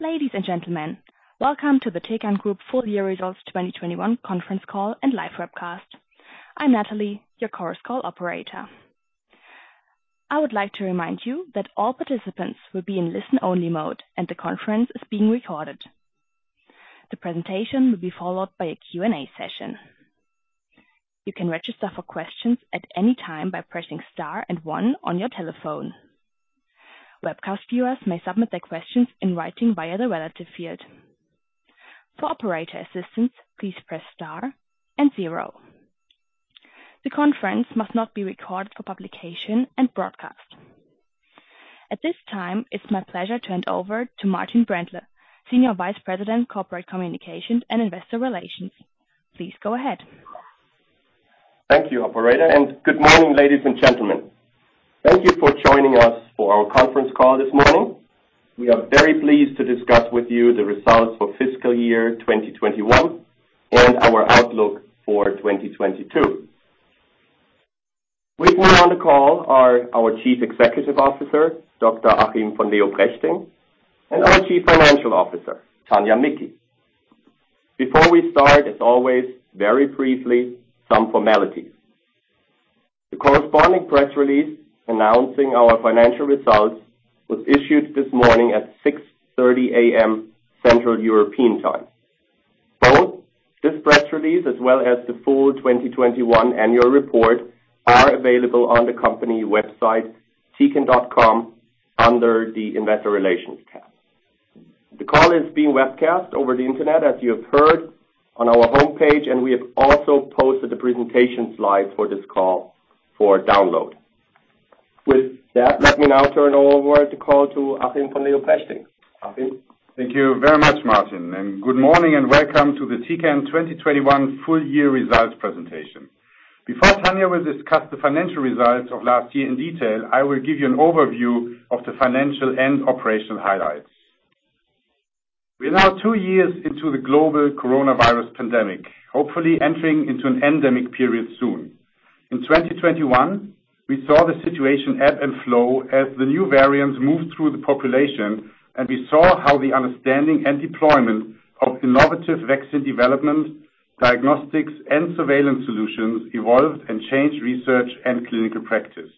Ladies and gentlemen, welcome to the Tecan Group Full Year Results 2021 conference call and live webcast. I'm Natalie, your Chorus Call operator. I would like to remind you that all participants will be in listen-only mode and the conference is being recorded. The presentation will be followed by a Q&A session. You can register for questions at any time by pressing star and one on your telephone. Webcast viewers may submit their questions in writing via the relevant field. For operator assistance, please press star and zero. The conference must not be recorded for publication and broadcast. At this time, it's my pleasure to hand over to Martin Brändle, Senior Vice President, Corporate Communications & Investor Relations. Please go ahead. Thank you, operator, and good morning, ladies and gentlemen. Thank you for joining us for our conference call this morning. We are very pleased to discuss with you the results for fiscal year 2021 and our outlook for 2022. With me on the call are our Chief Executive Officer, Dr. Achim von Leoprechting, and our Chief Financial Officer, Tania Micki. Before we start, as always, very briefly, some formalities. The corresponding press release announcing our financial results was issued this morning at 6:30 A.M. Central European Time. Both this press release, as well as the full 2021 annual report, are available on the company website, tecan.com, under the investor relations tab. The call is being webcast over the internet, as you have heard on our homepage, and we have also posted the presentation slides for this call for download. With that, let me now turn over the call to Achim von Leoprechting. Achim. Thank you very much, Martin, and good morning and welcome to the Tecan 2021 full year results presentation. Before Tania will discuss the financial results of last year in detail, I will give you an overview of the financial and operational highlights. We are now two years into the global coronavirus pandemic, hopefully entering into an endemic period soon. In 2021, we saw the situation ebb and flow as the new variants moved through the population, and we saw how the understanding and deployment of innovative vaccine development, diagnostics, and surveillance solutions evolved and changed research and clinical practice.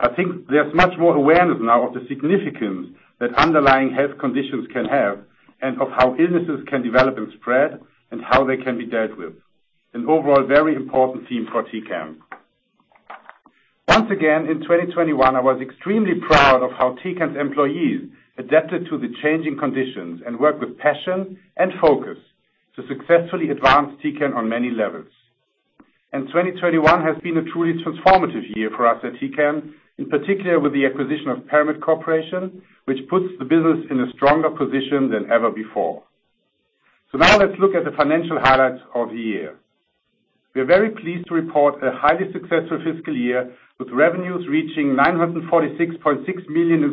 I think there's much more awareness now of the significance that underlying health conditions can have and of how illnesses can develop and spread and how they can be dealt with. An overall very important theme for Tecan. Once again, in 2021, I was extremely proud of how Tecan's employees adapted to the changing conditions and worked with passion and focus to successfully advance Tecan on many levels. 2021 has been a truly transformative year for us at Tecan, in particular with the acquisition of Paramit Corporation, which puts the business in a stronger position than ever before. Now let's look at the financial highlights of the year. We are very pleased to report a highly successful fiscal year, with revenues reaching 946.6 million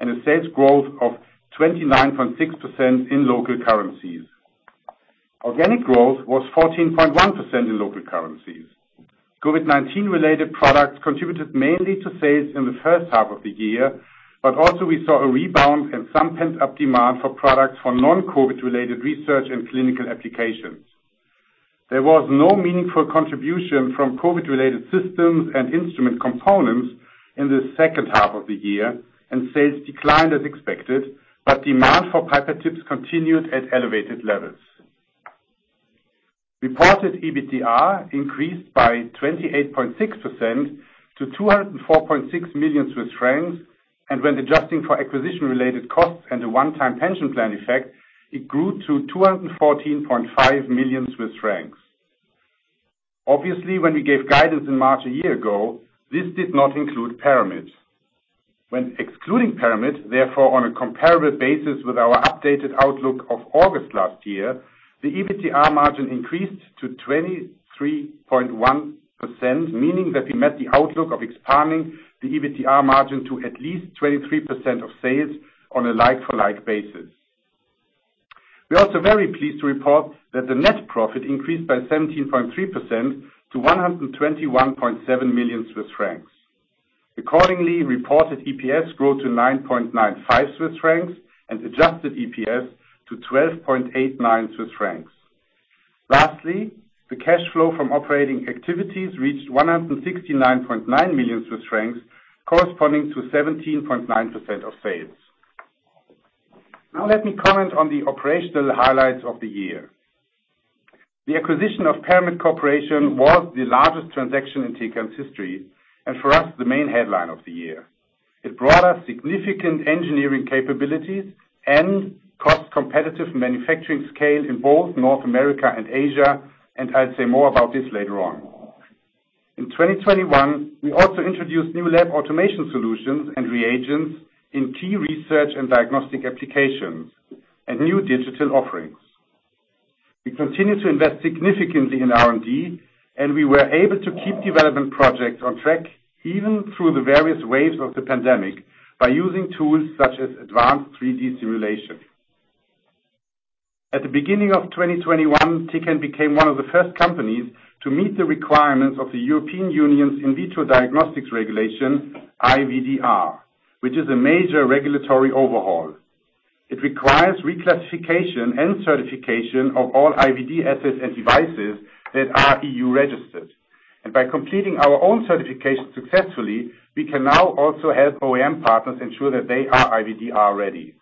and a sales growth of 29.6% in local currencies. Organic growth was 14.1% in local currencies. COVID-19 related products contributed mainly to sales in the first half of the year, but also we saw a rebound and some pent-up demand for products for non-COVID related research and clinical applications. There was no meaningful contribution from COVID-related systems and instrument components in the second half of the year, and sales declined as expected, but demand for pipette tips continued at elevated levels. Reported EBITDA increased by 28.6% to 204.6 million Swiss francs, and when adjusting for acquisition-related costs and a one-time pension plan effect, it grew to 214.5 million Swiss francs. Obviously, when we gave guidance in March a year ago, this did not include Paramit. When excluding Paramit, therefore on a comparable basis with our updated outlook of August last year, the EBIT margin increased to 23.1%, meaning that we met the outlook of expanding the EBIT margin to at least 23% of sales on a like-for-like basis. We're also very pleased to report that the net profit increased by 17.3% to 121.7 million Swiss francs. Accordingly, reported EPS grew to 9.95 Swiss francs and adjusted EPS to 12.89 Swiss francs. Lastly, the cash flow from operating activities reached 169.9 million Swiss francs, corresponding to 17.9% of sales. Now let me comment on the operational highlights of the year. The acquisition of Paramit Corporation was the largest transaction in Tecan's history and for us, the main headline of the year. It brought us significant engineering capabilities and cost-competitive manufacturing scale in both North America and Asia, and I'll say more about this later on. In 2021, we also introduced new lab automation solutions and reagents in key research and diagnostic applications and new digital offerings. We continue to invest significantly in R&D, and we were able to keep development projects on track even through the various waves of the pandemic by using tools such as advanced 3D simulation. At the beginning of 2021, Tecan became one of the first companies to meet the requirements of the European Union's In Vitro Diagnostic Regulation, IVDR, which is a major regulatory overhaul. It requires reclassification and certification of all IVD assets and devices that are EU registered. By completing our own certification successfully, we can now also help OEM partners ensure that they are IVDR ready.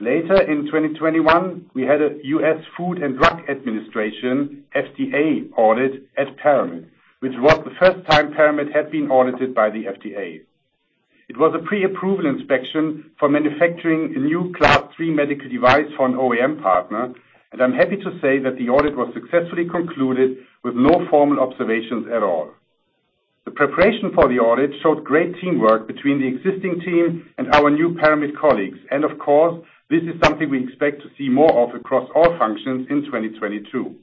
Later in 2021, we had a U.S. Food and Drug Administration, FDA, audit at Paramit, which was the first time Paramit had been audited by the FDA. It was a pre-approval inspection for manufacturing a new Class III medical device for an OEM partner, and I'm happy to say that the audit was successfully concluded with no formal observations at all. The preparation for the audit showed great teamwork between the existing team and our new Paramit colleagues. Of course, this is something we expect to see more of across all functions in 2022.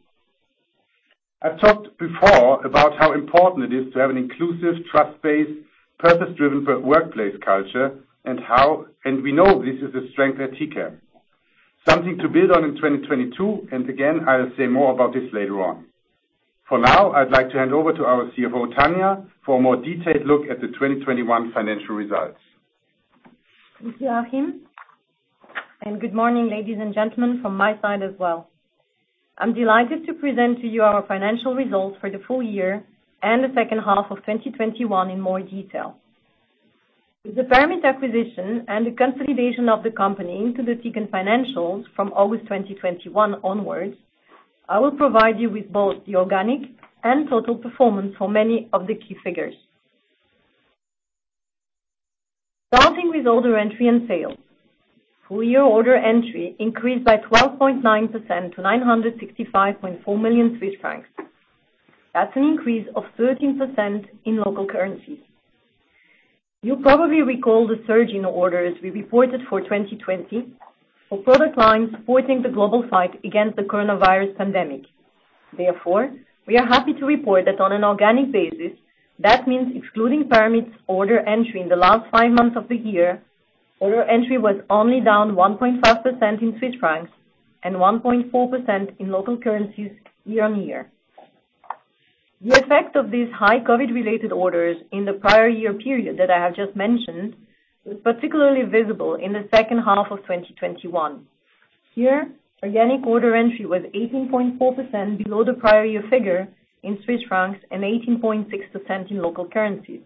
I've talked before about how important it is to have an inclusive, trust-based, purpose-driven workplace culture and we know this is a strength at Tecan. Something to build on in 2022, and again, I'll say more about this later on. For now, I'd like to hand over to our CFO, Tania, for a more detailed look at the 2021 financial results. Thank you, Achim, and good morning, ladies and gentlemen, from my side as well. I'm delighted to present to you our financial results for the full year and the second half of 2021 in more detail. With the Paramit acquisition and the consolidation of the company into the Tecan financials from August 2021 onwards, I will provide you with both the organic and total performance for many of the key figures. Starting with order entry and sales. Full year order entry increased by 12.9% to 965.4 million Swiss francs. That's an increase of 13% in local currency. You probably recall the surge in orders we reported for 2020 for product lines supporting the global fight against the coronavirus pandemic. Therefore, we are happy to report that on an organic basis, that means excluding Paramit's order entry in the last five months of the year, order entry was only down 1.5% in CHF and 1.4% in local currencies year-on-year. The effect of these high COVID-related orders in the prior year period that I have just mentioned, was particularly visible in the second half of 2021. Here, organic order entry was 18.4% below the prior year figure in CHF and 18.6% in local currencies.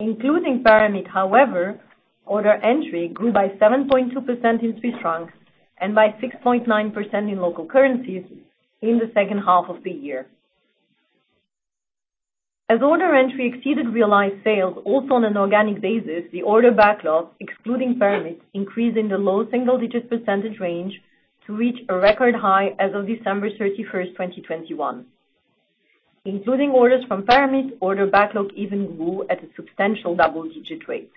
Including Paramit, however, order entry grew by 7.2% in CHF and by 6.9% in local currencies in the second half of the year. Order entry exceeded realized sales, also on an organic basis. Order backlog, excluding Paramit, increased in the low single-digit percentage range to reach a record high as of December 31st, 2021. Including orders from Paramit, order backlog even grew at a substantial double-digit rate.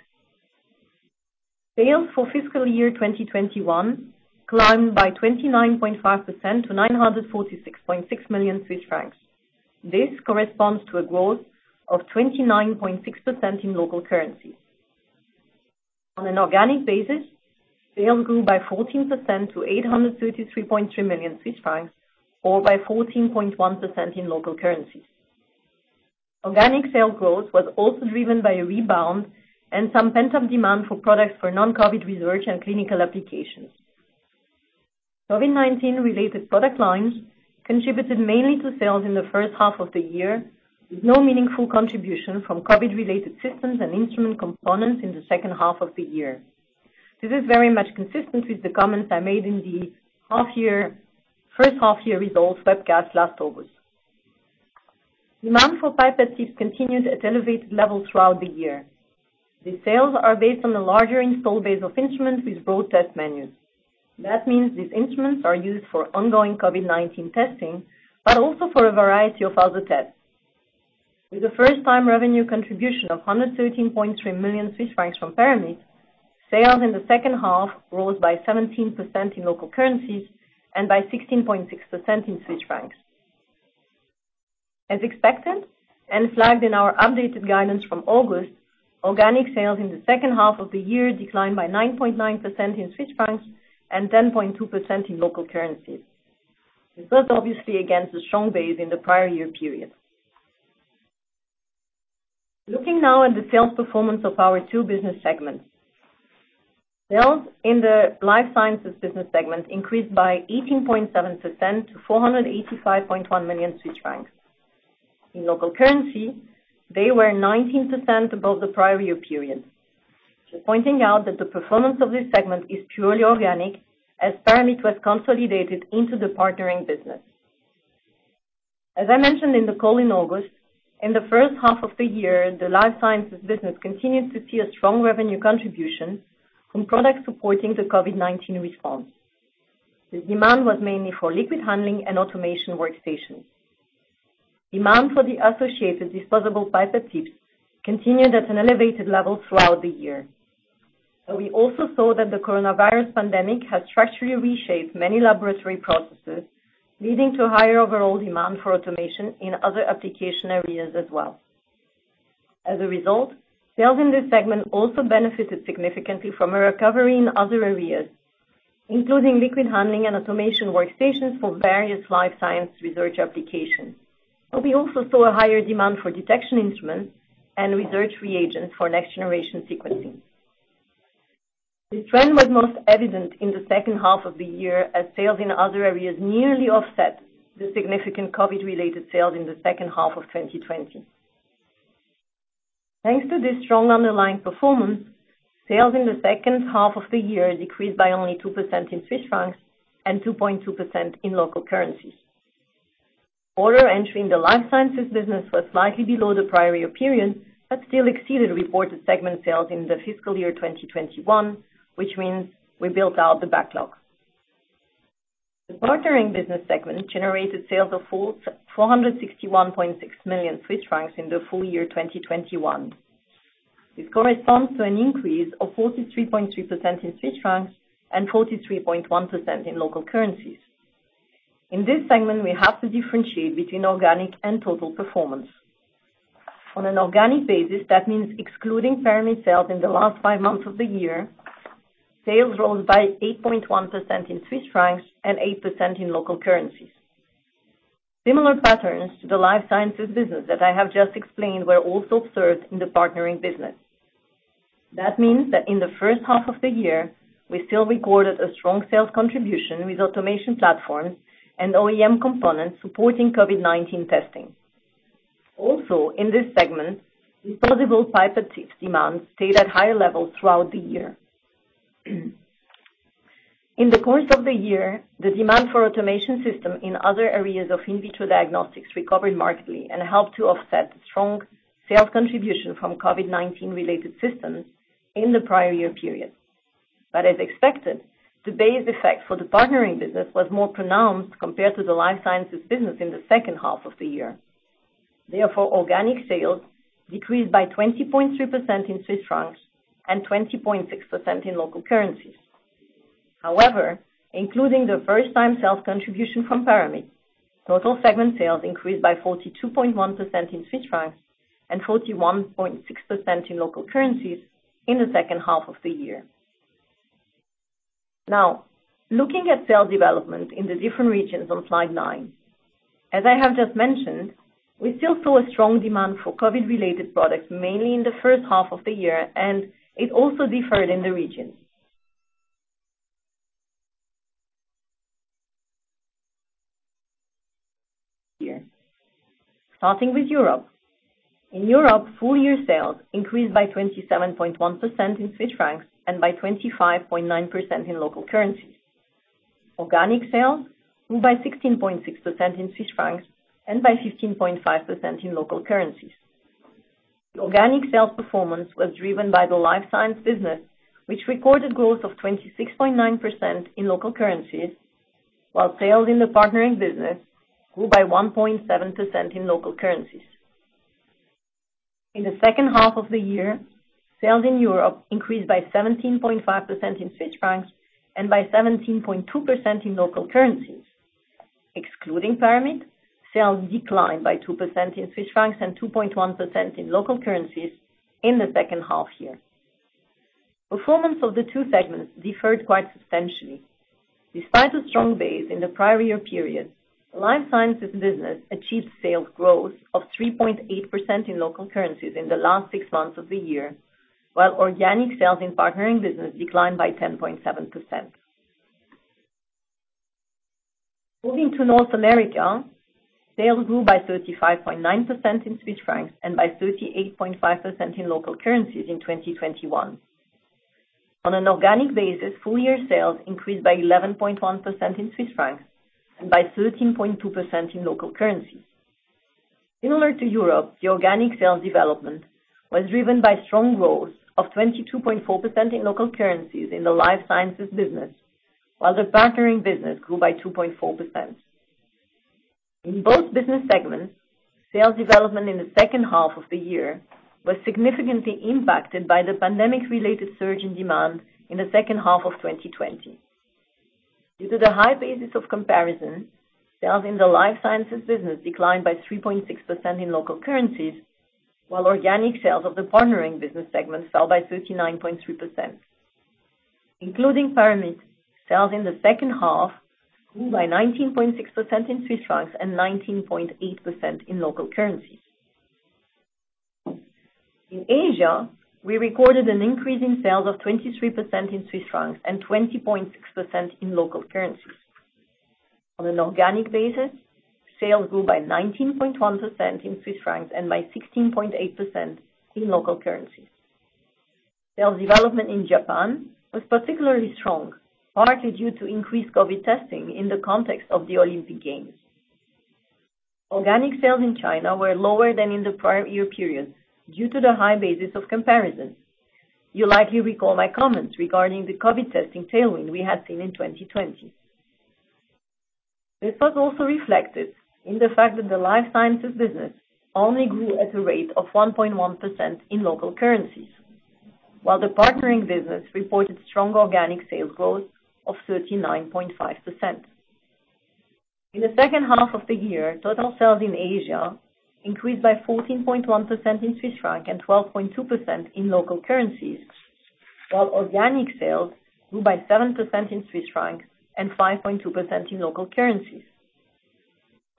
Sales for fiscal year 2021 climbed by 29.5% to 946.6 million Swiss francs. This corresponds to a growth of 29.6% in local currency. On an organic basis, sales grew by 14% to 833.3 million Swiss francs, or by 14.1% in local currency. Organic sales growth was also driven by a rebound and some pent-up demand for products for non-COVID research and clinical applications. COVID-19 related product lines contributed mainly to sales in the first half of the year, with no meaningful contribution from COVID-related systems and instrument components in the second half of the year. This is very much consistent with the comments I made in the first half year results webcast last August. Demand for pipette tips continued at elevated levels throughout the year. These sales are based on a larger install base of instruments with broad test menus. That means these instruments are used for ongoing COVID-19 testing, but also for a variety of other tests. With a first-time revenue contribution of 113.3 million Swiss francs from Paramit, sales in the second half rose by 17% in local currencies and by 16.6% in Swiss francs. As expected, and flagged in our updated guidance from August, organic sales in the second half of the year declined by 9.9% in Swiss francs and 10.2% in local currency. This was obviously against the strong base in the prior year period. Looking now at the sales performance of our two business segments. Sales in the Life Sciences Business segment increased by 18.7% to 485.1 million Swiss francs. In local currency, they were 19% above the prior year period. Just pointing out that the performance of this segment is purely organic as Paramit was consolidated into the partnering business. As I mentioned in the call in August, in the first half of the year, the Life Sciences Business continued to see a strong revenue contribution from products supporting the COVID-19 response. The demand was mainly for liquid handling and automation workstations. Demand for the associated disposable pipette tips continued at an elevated level throughout the year. We also saw that the coronavirus pandemic has structurally reshaped many laboratory processes, leading to a higher overall demand for automation in other application areas as well. As a result, sales in this segment also benefited significantly from a recovery in other areas, including liquid handling and automation workstations for various life science research applications. We also saw a higher demand for detection instruments and research reagents for next-generation sequencing. This trend was most evident in the second half of the year, as sales in other areas nearly offset the significant COVID-related sales in the second half of 2020. Thanks to this strong underlying performance, sales in the second half of the year decreased by only 2% in Swiss francs and 2.2% in local currencies. Order entry in the Life Sciences business was slightly below the prior year period, but still exceeded reported segment sales in the fiscal year 2021, which means we built out the backlog. The partnering business segment generated sales of 461.6 million Swiss francs in the full year 2021. This corresponds to an increase of 43.3% in Swiss francs and 43.1% in local currencies. In this segment, we have to differentiate between organic and total performance. On an organic basis, that means excluding Paramit sales in the last five months of the year, sales rose by 8.1% in Swiss francs and 8% in local currencies. Similar patterns to the Life Sciences business that I have just explained were also observed in the partnering business. That means that in the first half of the year, we still recorded a strong sales contribution with automation platforms and OEM components supporting COVID-19 testing. Also, in this segment, disposable pipette tips demand stayed at high levels throughout the year. In the course of the year, the demand for automation system in other areas of in vitro diagnostics recovered markedly and helped to offset strong sales contribution from COVID-19 related systems in the prior year period. As expected, the base effect for the partnering business was more pronounced compared to the Life Sciences Business in the second half of the year. Therefore, organic sales decreased by 20.3% in Swiss francs and 20.6% in local currencies. However, including the first-time sales contribution from Paramit, total segment sales increased by 42.1% in Swiss francs and 41.6% in local currencies in the second half of the year. Now, looking at sales development in the different regions on slide nine. As I have just mentioned, we still saw a strong demand for COVID-related products, mainly in the first half of the year, and it also differed by region. Starting with Europe. In Europe, full year sales increased by 27.1% in Swiss francs and by 25.9% in local currencies. Organic sales grew by 16.6% in Swiss francs and by 15.5% in local currencies. Organic sales performance was driven by the Life Sciences business, which recorded growth of 26.9% in local currencies, while sales in the partnering business grew by 1.7% in local currencies. In the second half of the year, sales in Europe increased by 17.5% in Swiss francs and by 17.2% in local currencies. Excluding Paramit, sales declined by 2% in Swiss francs and 2.1% in local currencies in the second half year. Performance of the two segments differed quite substantially. Despite a strong base in the prior year period, Life Sciences business achieved sales growth of 3.8% in local currencies in the last six months of the year, while organic sales in partnering business declined by 10.7%. Moving to North America, sales grew by 35.9% in Swiss francs and by 38.5% in local currencies in 2021. On an organic basis, full year sales increased by 11.1% in Swiss francs and by 13.2% in local currencies. Similar to Europe, the organic sales development was driven by strong growth of 22.4% in local currencies in the Life Sciences business, while the partnering business grew by 2.4%. In both business segments, sales development in the second half of the year was significantly impacted by the pandemic-related surge in demand in the second half of 2020. Due to the high basis of comparison, sales in the Life Sciences business declined by 3.6% in local currencies, while organic sales of the partnering business segment fell by 39.3%. Including Paramit, sales in the second half grew by 19.6% in Swiss francs and 19.8% in local currencies. In Asia, we recorded an increase in sales of 23% in Swiss francs and 20.6% in local currencies. On an organic basis, sales grew by 19.1% in Swiss francs and by 16.8% in local currencies. Sales development in Japan was particularly strong, partly due to increased COVID testing in the context of the Olympic Games. Organic sales in China were lower than in the prior year period due to the high basis of comparison. You likely recall my comments regarding the COVID testing tailwind we had seen in 2020. This was also reflected in the fact that the Life Sciences business only grew at a rate of 1.1% in local currencies, while the partnering business reported strong organic sales growth of 39.5%. In the second half of the year, total sales in Asia increased by 14.1% in Swiss francs and 12.2% in local currencies, while organic sales grew by 7% in Swiss francs and 5.2% in local currencies.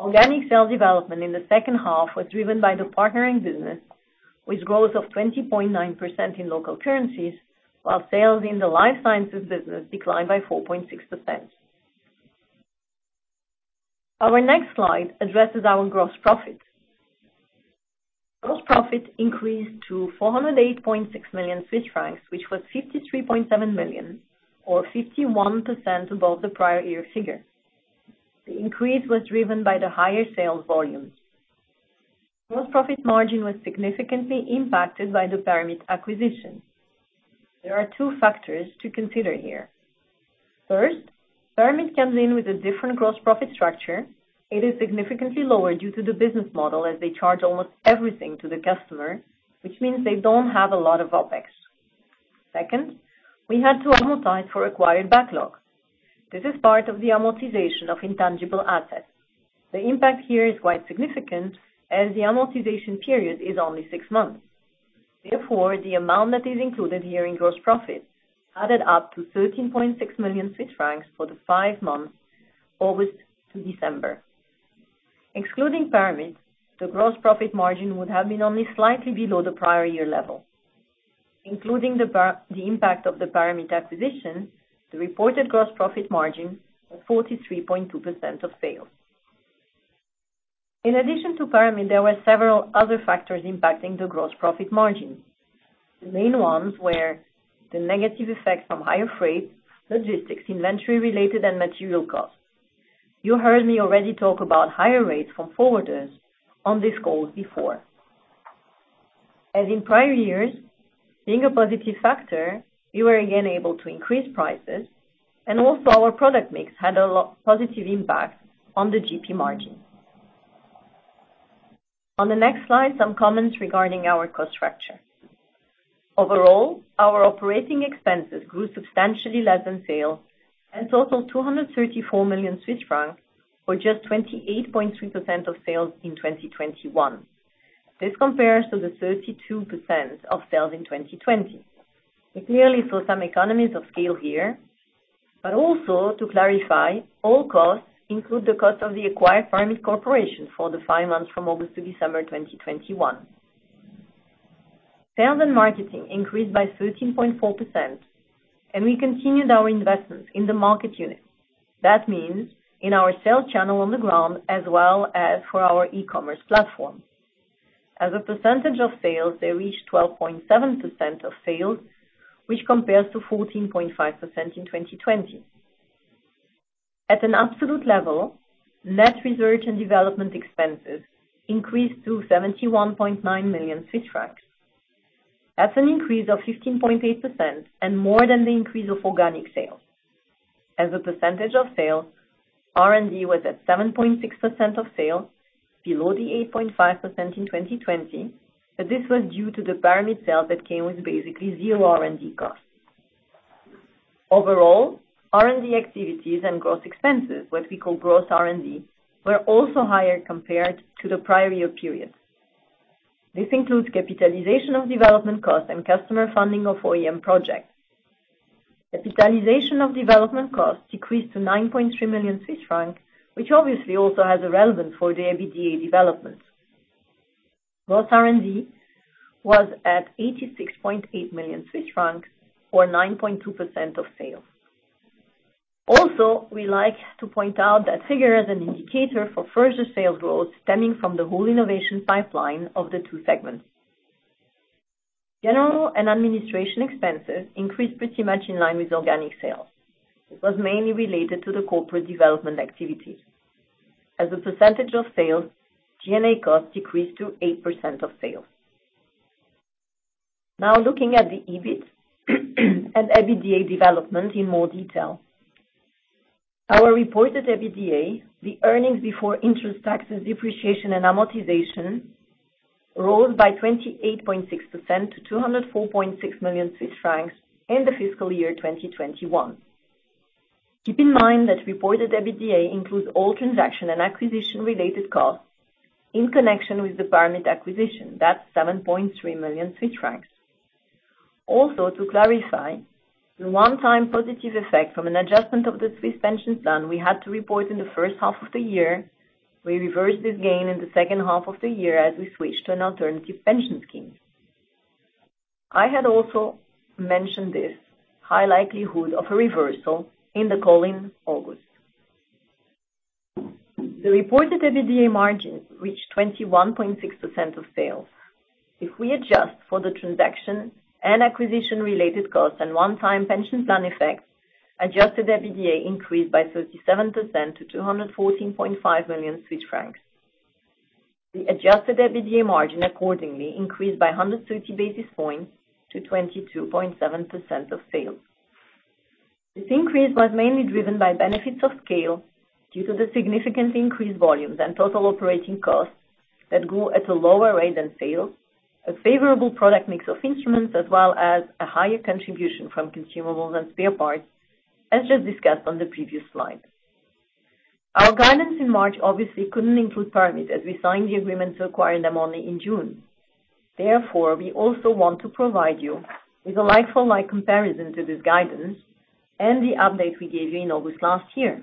Organic sales development in the second half was driven by the partnering business, with growth of 20.9% in local currencies, while sales in the Life Sciences business declined by 4.6%. Our next slide addresses our gross profit. Gross profit increased to 408.6 million Swiss francs, which was 53.7 million, or 51% above the prior year figure. The increase was driven by the higher sales volume. Gross profit margin was significantly impacted by the Paramit acquisition. There are two factors to consider here. First, Paramit comes in with a different gross profit structure. It is significantly lower due to the business model as they charge almost everything to the customer, which means they don't have a lot of OpEx. Second, we had to amortize for acquired backlog. This is part of the amortization of intangible assets. The impact here is quite significant, as the amortization period is only six months. Therefore, the amount that is included here in gross profit added up to 13.6 million Swiss francs for the five months, August to December. Excluding Paramit, the gross profit margin would have been only slightly below the prior year level. Including the impact of the Paramit acquisition, the reported gross profit margin was 43.2% of sales. In addition to Paramit, there were several other factors impacting the gross profit margin. The main ones were the negative effects from higher freight, logistics, inventory related, and material costs. You heard me already talk about higher rates from forwarders on this call before. As in prior years, being a positive factor, we were again able to increase prices and also our product mix had a positive impact on the GP margin. On the next slide, some comments regarding our cost structure. Overall, our operating expenses grew substantially less than sales to a total of 234 million Swiss francs or just 28.3% of sales in 2021. This compares to the 32% of sales in 2020. We clearly saw some economies of scale here, but also to clarify, all costs include the cost of the acquired Paramit Corporation for the five months from August to December 2021. Sales and marketing increased by 13.4%, and we continued our investments in the marketing unit. That means in our sales channel on the ground as well as for our e-commerce platform. As a percentage of sales, they reached 12.7% of sales, which compares to 14.5% in 2020. At an absolute level, net research and development expenses increased to 71.9 million Swiss francs. That's an increase of 15.8% and more than the increase of organic sales. As a percentage of sales, R&D was at 7.6% of sales, below the 8.5% in 2020, but this was due to the Paramit sale that came with basically zero R&D costs. Overall, R&D activities and gross expenses, what we call gross R&D, were also higher compared to the prior year period. This includes capitalization of development costs and customer funding of OEM projects. Capitalization of development costs decreased to 9.3 million Swiss francs, which obviously also has a relevance for the EBITDA development. Gross R&D was at 86.8 million Swiss francs or 9.2% of sales. We like to point out that figure as an indicator for further sales growth stemming from the whole innovation pipeline of the two segments. General and administrative expenses increased pretty much in line with organic sales. It was mainly related to the corporate development activities. As a percentage of sales, G&A costs decreased to 8% of sales. Now looking at the EBIT and EBITDA development in more detail. Our reported EBITDA, the earnings before interest, taxes, depreciation, and amortization, rose by 28.6% to 204.6 million Swiss francs in the fiscal year 2021. Keep in mind that reported EBITDA includes all transaction and acquisition related costs in connection with the Paramit acquisition. That's 7.3 million Swiss francs. Also, to clarify, the one-time positive effect from an adjustment of the Swiss pension plan we had to report in the first half of the year, we reversed this gain in the second half of the year as we switched to an alternative pension scheme. I had also mentioned this high likelihood of a reversal in the call in August. The reported EBITDA margins reached 21.6% of sales. If we adjust for the transaction and acquisition related costs and one-time pension plan effects, adjusted EBITDA increased by 37% to 214.5 million Swiss francs. The adjusted EBITDA margin accordingly increased by 130 basis points to 22.7% of sales. This increase was mainly driven by benefits of scale due to the significantly increased volumes and total operating costs that grew at a lower rate than sales, a favorable product mix of instruments, as well as a higher contribution from consumables and spare parts, as just discussed on the previous slide. Our guidance in March obviously couldn't include Paramit as we signed the agreement to acquire them only in June. Therefore, we also want to provide you with a like-for-like comparison to this guidance and the update we gave you in August last year.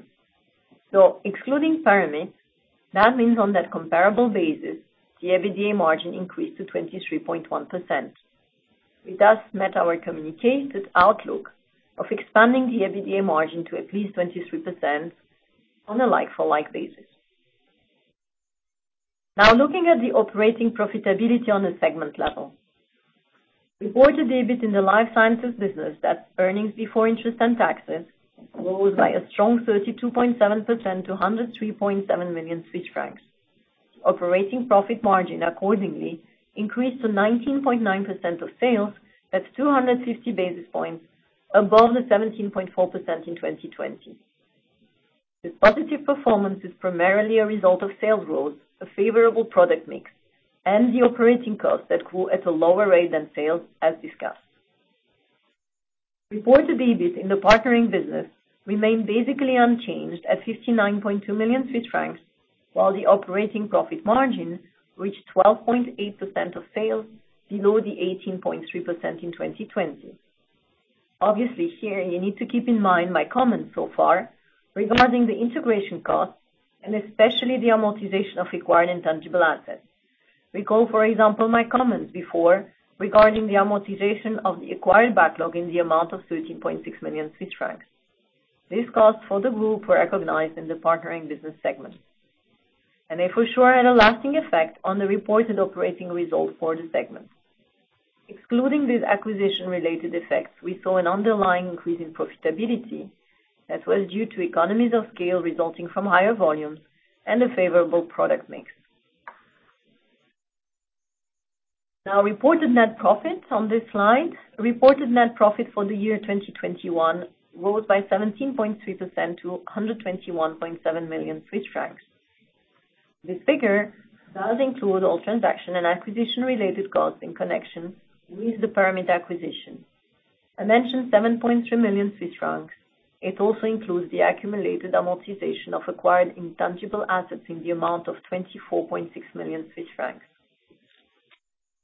Excluding Paramit, that means on that comparable basis, the EBITDA margin increased to 23.1%. It does meet our communicated outlook of expanding the EBITDA margin to at least 23% on a like-for-like basis. Now looking at the operating profitability on a segment level. Reported EBIT in the Life Sciences business, that's earnings before interest and taxes, grows by a strong 32.7% to 103.7 million Swiss francs. Operating profit margin accordingly increased to 19.9% of sales. That's 250 basis points above the 17.4% in 2020. This positive performance is primarily a result of sales growth, a favorable product mix, and the operating costs that grew at a lower rate than sales, as discussed. Reported EBIT in the partnering business remained basically unchanged at 59.2 million Swiss francs, while the operating profit margin reached 12.8% of sales below the 18.3% in 2020. Obviously, here you need to keep in mind my comments so far regarding the integration costs and especially the amortization of acquired intangible assets. Recall, for example, my comments before regarding the amortization of the acquired backlog in the amount of 13.6 million Swiss francs. These costs for the group were recognized in the partnering business segment and they for sure had a lasting effect on the reported operating results for the segment. Excluding these acquisition-related effects, we saw an underlying increase in profitability that was due to economies of scale resulting from higher volumes and a favorable product mix. Now reported net profit on this slide. Reported net profit for the year 2021 rose by 17.3% to 121.7 million Swiss francs. This figure does include all transaction and acquisition related costs in connection with the Paramit acquisition. I mentioned 7.3 million Swiss francs. It also includes the accumulated amortization of acquired intangible assets in the amount of 24.6 million Swiss francs.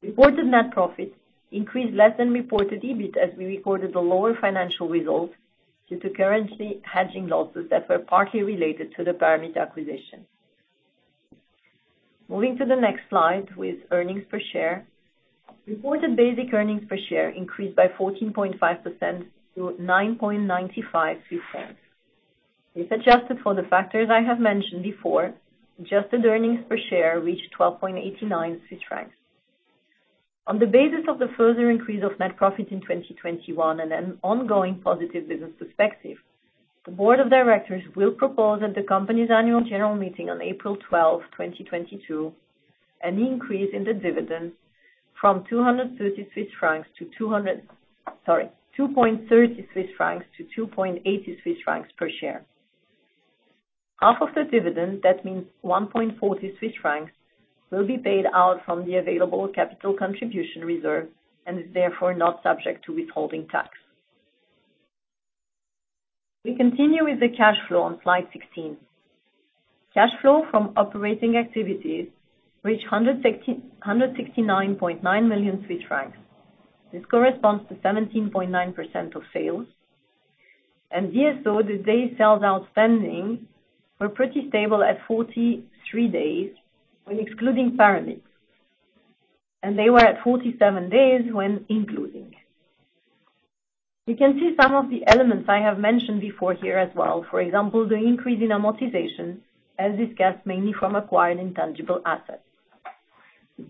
Reported net profits increased less than reported EBIT, as we recorded the lower financial results due to currency hedging losses that were partly related to the Paramit acquisition. Moving to the next slide with earnings per share. Reported basic earnings per share increased by 14.5% to 9.95. If adjusted for the factors I have mentioned before, adjusted earnings per share reached 12.89 Swiss francs. On the basis of the further increase of net profit in 2021 and an ongoing positive business perspective, the board of directors will propose at the company's annual general meeting on April 12, 2022, an increase in the dividend from 230 Swiss francs to two hundred...sorry, 2.30-2.80 Swiss francs per share. Half of the dividend, that means 1.40 Swiss francs, will be paid out from the available capital contribution reserve and is therefore not subject to withholding tax. We continue with the cash flow on slide 16. Cash flow from operating activities reached 169.9 million Swiss francs. This corresponds to 17.9% of sales. DSO, the days sales outstanding, were pretty stable at 43 days when excluding Paramit. They were at 47 days when including. You can see some of the elements I have mentioned before here as well. For example, the increase in amortization, as discussed, mainly from acquired intangible assets.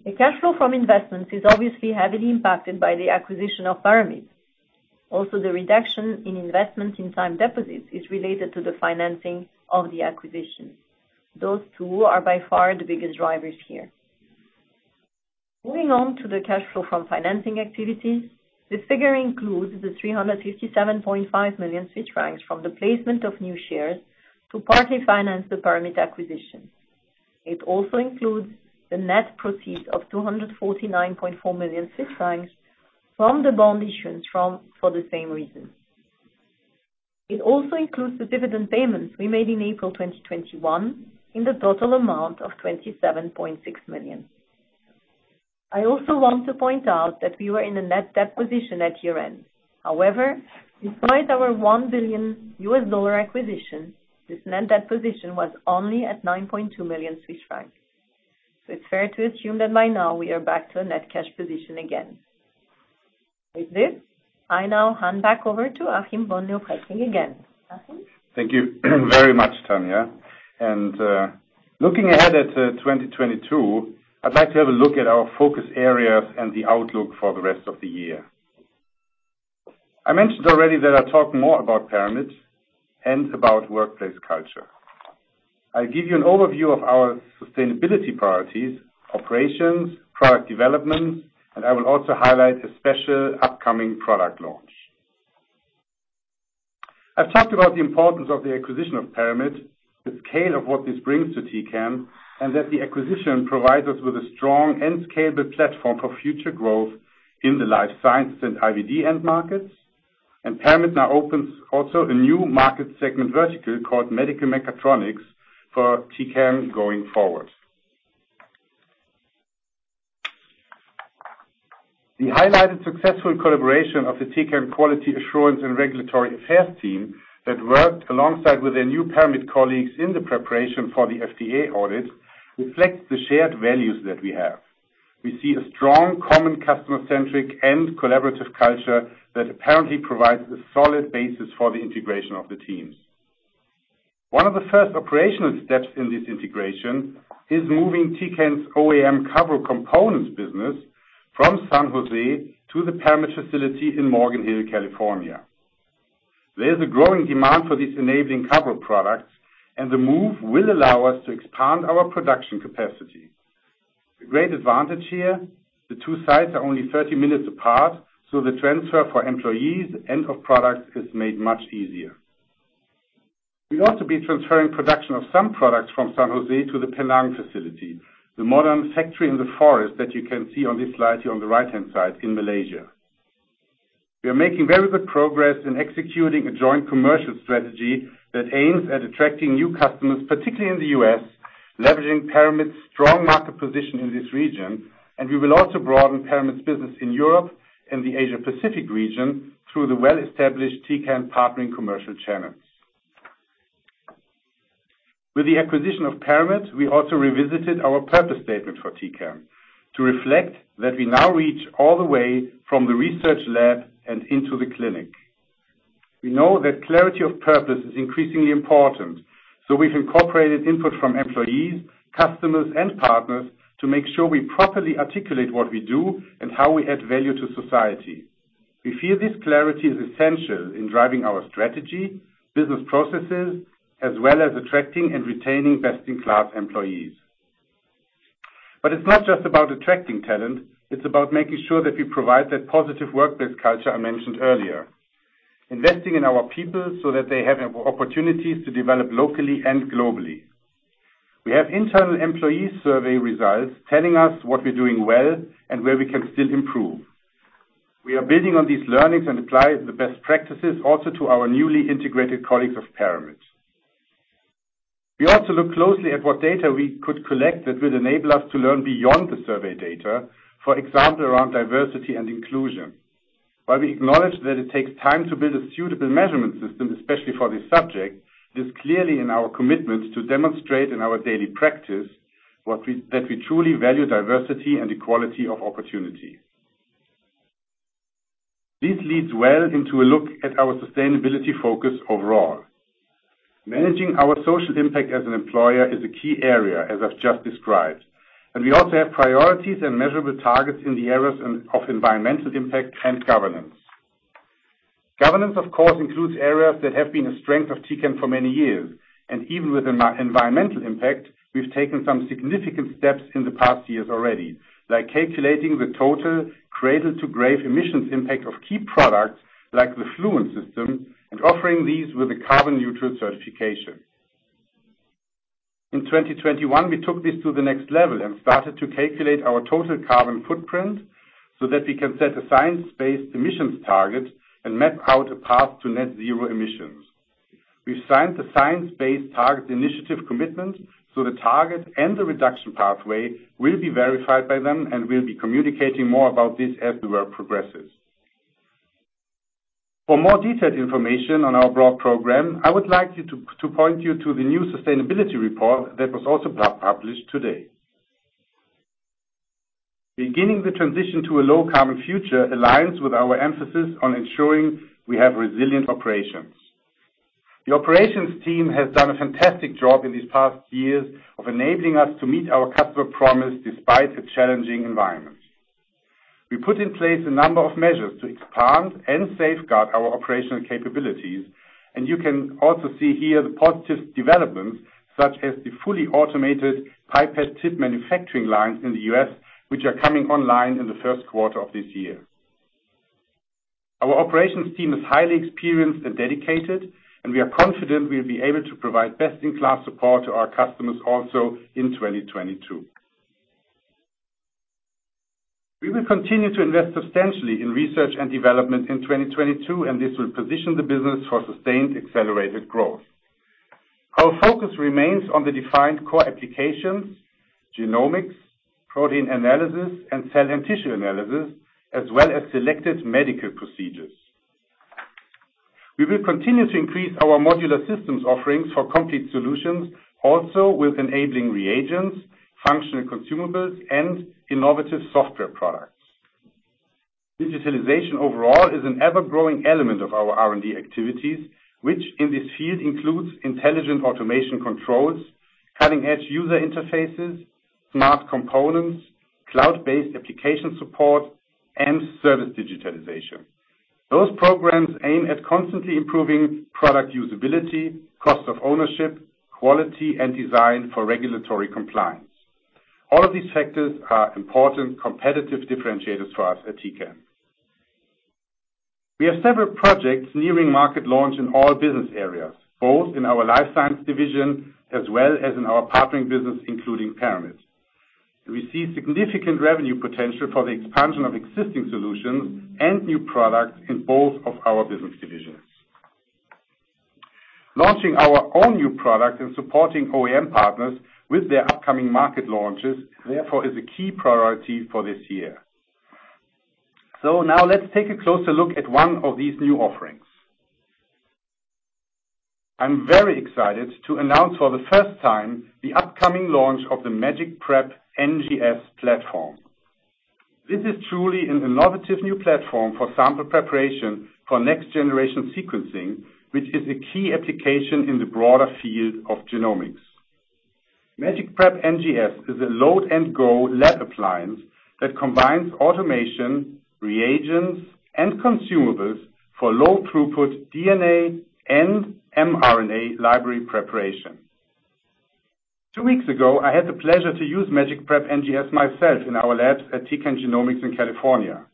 The cash flow from investments is obviously heavily impacted by the acquisition of Paramit. The reduction in investment in time deposits is related to the financing of the acquisition. Those two are by far the biggest drivers here. Moving on to the cash flow from financing activities. This figure includes 357.5 million francs from the placement of new shares to partly finance the Paramit acquisition. It also includes the net proceeds of 249.4 million Swiss francs from the bond issuance for the same reason. It also includes the dividend payments we made in April 2021 in the total amount of 27.6 million. I also want to point out that we were in a net debt position at year-end. Despite our $1 billion acquisition, this net debt position was only at 9.2 million Swiss francs. It's fair to assume that by now we are back to a net cash position again. With this, I now hand back over to Achim von Leoprechting again. Achim? Thank you very much, Tania. Looking ahead at 2022, I'd like to have a look at our focus areas and the outlook for the rest of the year. I mentioned already that I'll talk more about Paramit and about workplace culture. I'll give you an overview of our sustainability priorities, operations, product development, and I will also highlight a special upcoming product launch. I've talked about the importance of the acquisition of Paramit, the scale of what this brings to Tecan, and that the acquisition provides us with a strong and scalable platform for future growth in the life sciences and IVD end markets. Paramit now opens also a new market segment vertical called Medical Mechatronics for Tecan going forward. The highlighted successful collaboration of the Tecan Quality Assurance and Regulatory Affairs team that worked alongside with their new Paramit colleagues in the preparation for the FDA audit reflects the shared values that we have. We see a strong common customer-centric and collaborative culture that apparently provides a solid basis for the integration of the teams. One of the first operational steps in this integration is moving Tecan's OEM Cavro components business from San José to the Paramit facility in Morgan Hill, California. There's a growing demand for these enabling Cavro products, and the move will allow us to expand our production capacity. The great advantage here, the two sites are only 30 minutes apart, so the transfer for employees and of products is made much easier. We'll also be transferring production of some products from San Jose to the Penang facility, the modern factory in the forest that you can see on this slide here on the right-hand side in Malaysia. We are making very good progress in executing a joint commercial strategy that aims at attracting new customers, particularly in the U.S., leveraging Paramit's strong market position in this region, and we will also broaden Paramit's business in Europe and the Asia Pacific region through the well-established Tecan Partnering commercial channels. With the acquisition of Paramit, we also revisited our purpose statement for Tecan to reflect that we now reach all the way from the research lab and into the clinic. We know that clarity of purpose is increasingly important, so we've incorporated input from employees, customers, and partners to make sure we properly articulate what we do and how we add value to society. We feel this clarity is essential in driving our strategy, business processes, as well as attracting and retaining best-in-class employees. It's not just about attracting talent, it's about making sure that we provide that positive workplace culture I mentioned earlier, investing in our people so that they have opportunities to develop locally and globally. We have internal employee survey results telling us what we're doing well and where we can still improve. We are building on these learnings and apply the best practices also to our newly integrated colleagues of Paramit. We also look closely at what data we could collect that will enable us to learn beyond the survey data, for example, around diversity and inclusion. While we acknowledge that it takes time to build a suitable measurement system, especially for this subject, it is clearly in our commitment to demonstrate in our daily practice that we truly value diversity and equality of opportunity. This leads well into a look at our sustainability focus overall. Managing our social impact as an employer is a key area, as I've just described, and we also have priorities and measurable targets in the areas of environmental impact and governance. Governance, of course, includes areas that have been a strength of Tecan for many years, and even with environmental impact, we've taken some significant steps in the past years already, like calculating the total cradle-to-grave emissions impact of key products like the Fluent system and offering these with a carbon-neutral certification. In 2021, we took this to the next level and started to calculate our total carbon footprint so that we can set a science-based emissions target and map out a path to net zero emissions. We've signed the Science Based Targets initiative commitment, so the target and the reduction pathway will be verified by them, and we'll be communicating more about this as the work progresses. For more detailed information on our broad program, I would like you to point you to the new sustainability report that was also published today. Beginning the transition to a low-carbon future aligns with our emphasis on ensuring we have resilient operations. The operations team has done a fantastic job in these past years of enabling us to meet our customer promise despite the challenging environment. We put in place a number of measures to expand and safeguard our operational capabilities, and you can also see here the positive developments, such as the fully automated pipette tip manufacturing lines in the U.S., which are coming online in the first quarter of this year. Our operations team is highly experienced and dedicated, and we are confident we'll be able to provide best-in-class support to our customers also in 2022. We will continue to invest substantially in research and development in 2022, and this will position the business for sustained accelerated growth. Our focus remains on the defined core applications, genomics, protein analysis, and cell and tissue analysis, as well as selected medical procedures. We will continue to increase our modular systems offerings for complete solutions, also with enabling reagents, functional consumables, and innovative software products. Digitalization overall is an ever-growing element of our R&D activities, which in this field includes intelligent automation controls, cutting-edge user interfaces, smart components, cloud-based application support, and service digitalization. Those programs aim at constantly improving product usability, cost of ownership, quality, and design for regulatory compliance. All of these factors are important competitive differentiators for us at Tecan. We have several projects nearing market launch in all business areas, both in our Life Sciences division as well as in our partnering business, including Paramit. We see significant revenue potential for the expansion of existing solutions and new products in both of our business divisions. Launching our own new product and supporting OEM partners with their upcoming market launches, therefore, is a key priority for this year. Now let's take a closer look at one of these new offerings. I'm very excited to announce for the first time the upcoming launch of the MagicPrep NGS platform. This is truly an innovative new platform for sample preparation for next-generation sequencing, which is a key application in the broader field of genomics. MagicPrep NGS is a load-and-go lab appliance that combines automation, reagents, and consumables for low throughput DNA and mRNA library preparation. Two weeks ago, I had the pleasure to use MagicPrep NGS myself in our lab at Tecan Genomics in California.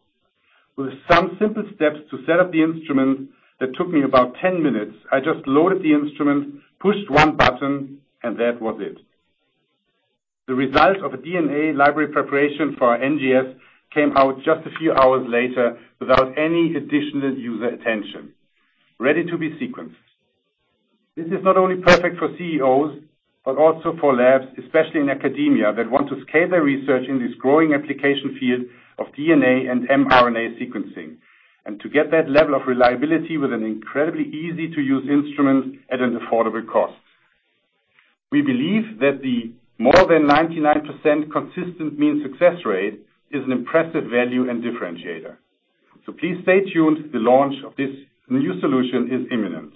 With some simple steps to set up the instrument that took me about 10 minutes, I just loaded the instrument, pushed one button, and that was it. The result of a DNA library preparation for NGS came out just a few hours later without any additional user attention, ready to be sequenced. This is not only perfect for CEOs, but also for labs, especially in academia, that want to scale their research in this growing application field of DNA and mRNA sequencing, and to get that level of reliability with an incredibly easy-to-use instrument at an affordable cost. We believe that the more than 99% consistent mean success rate is an impressive value and differentiator. Please stay tuned. The launch of this new solution is imminent.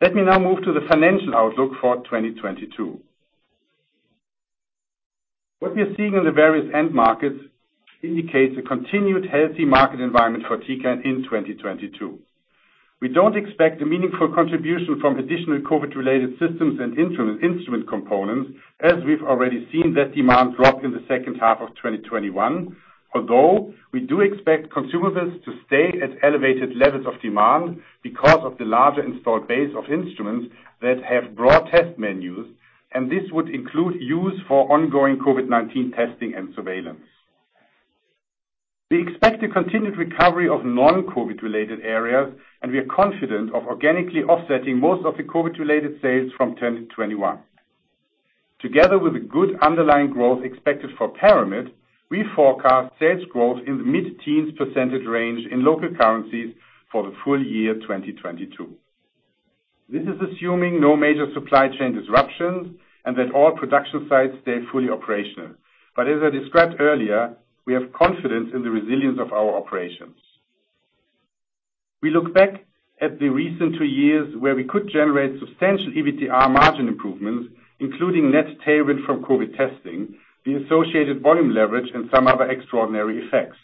Let me now move to the financial outlook for 2022. What we are seeing in the various end markets indicates a continued healthy market environment for Tecan in 2022. We don't expect a meaningful contribution from additional COVID-related systems and inter-instrument components, as we've already seen that demand drop in the second half of 2021. Although we do expect consumables to stay at elevated levels of demand because of the larger installed base of instruments that have broad test menus, and this would include use for ongoing COVID-19 testing and surveillance. We expect a continued recovery of non-COVID-related areas, and we are confident of organically offsetting most of the COVID-related sales from 2021. Together with the good underlying growth expected for Paramit, we forecast sales growth in the mid-teens percentage range in local currencies for the full year 2022. This is assuming no major supply chain disruptions and that all production sites stay fully operational. As I described earlier, we have confidence in the resilience of our operations. We look back at the recent two years where we could generate substantial EBITDA margin improvements, including net tailwind from COVID testing, the associated volume leverage, and some other extraordinary effects.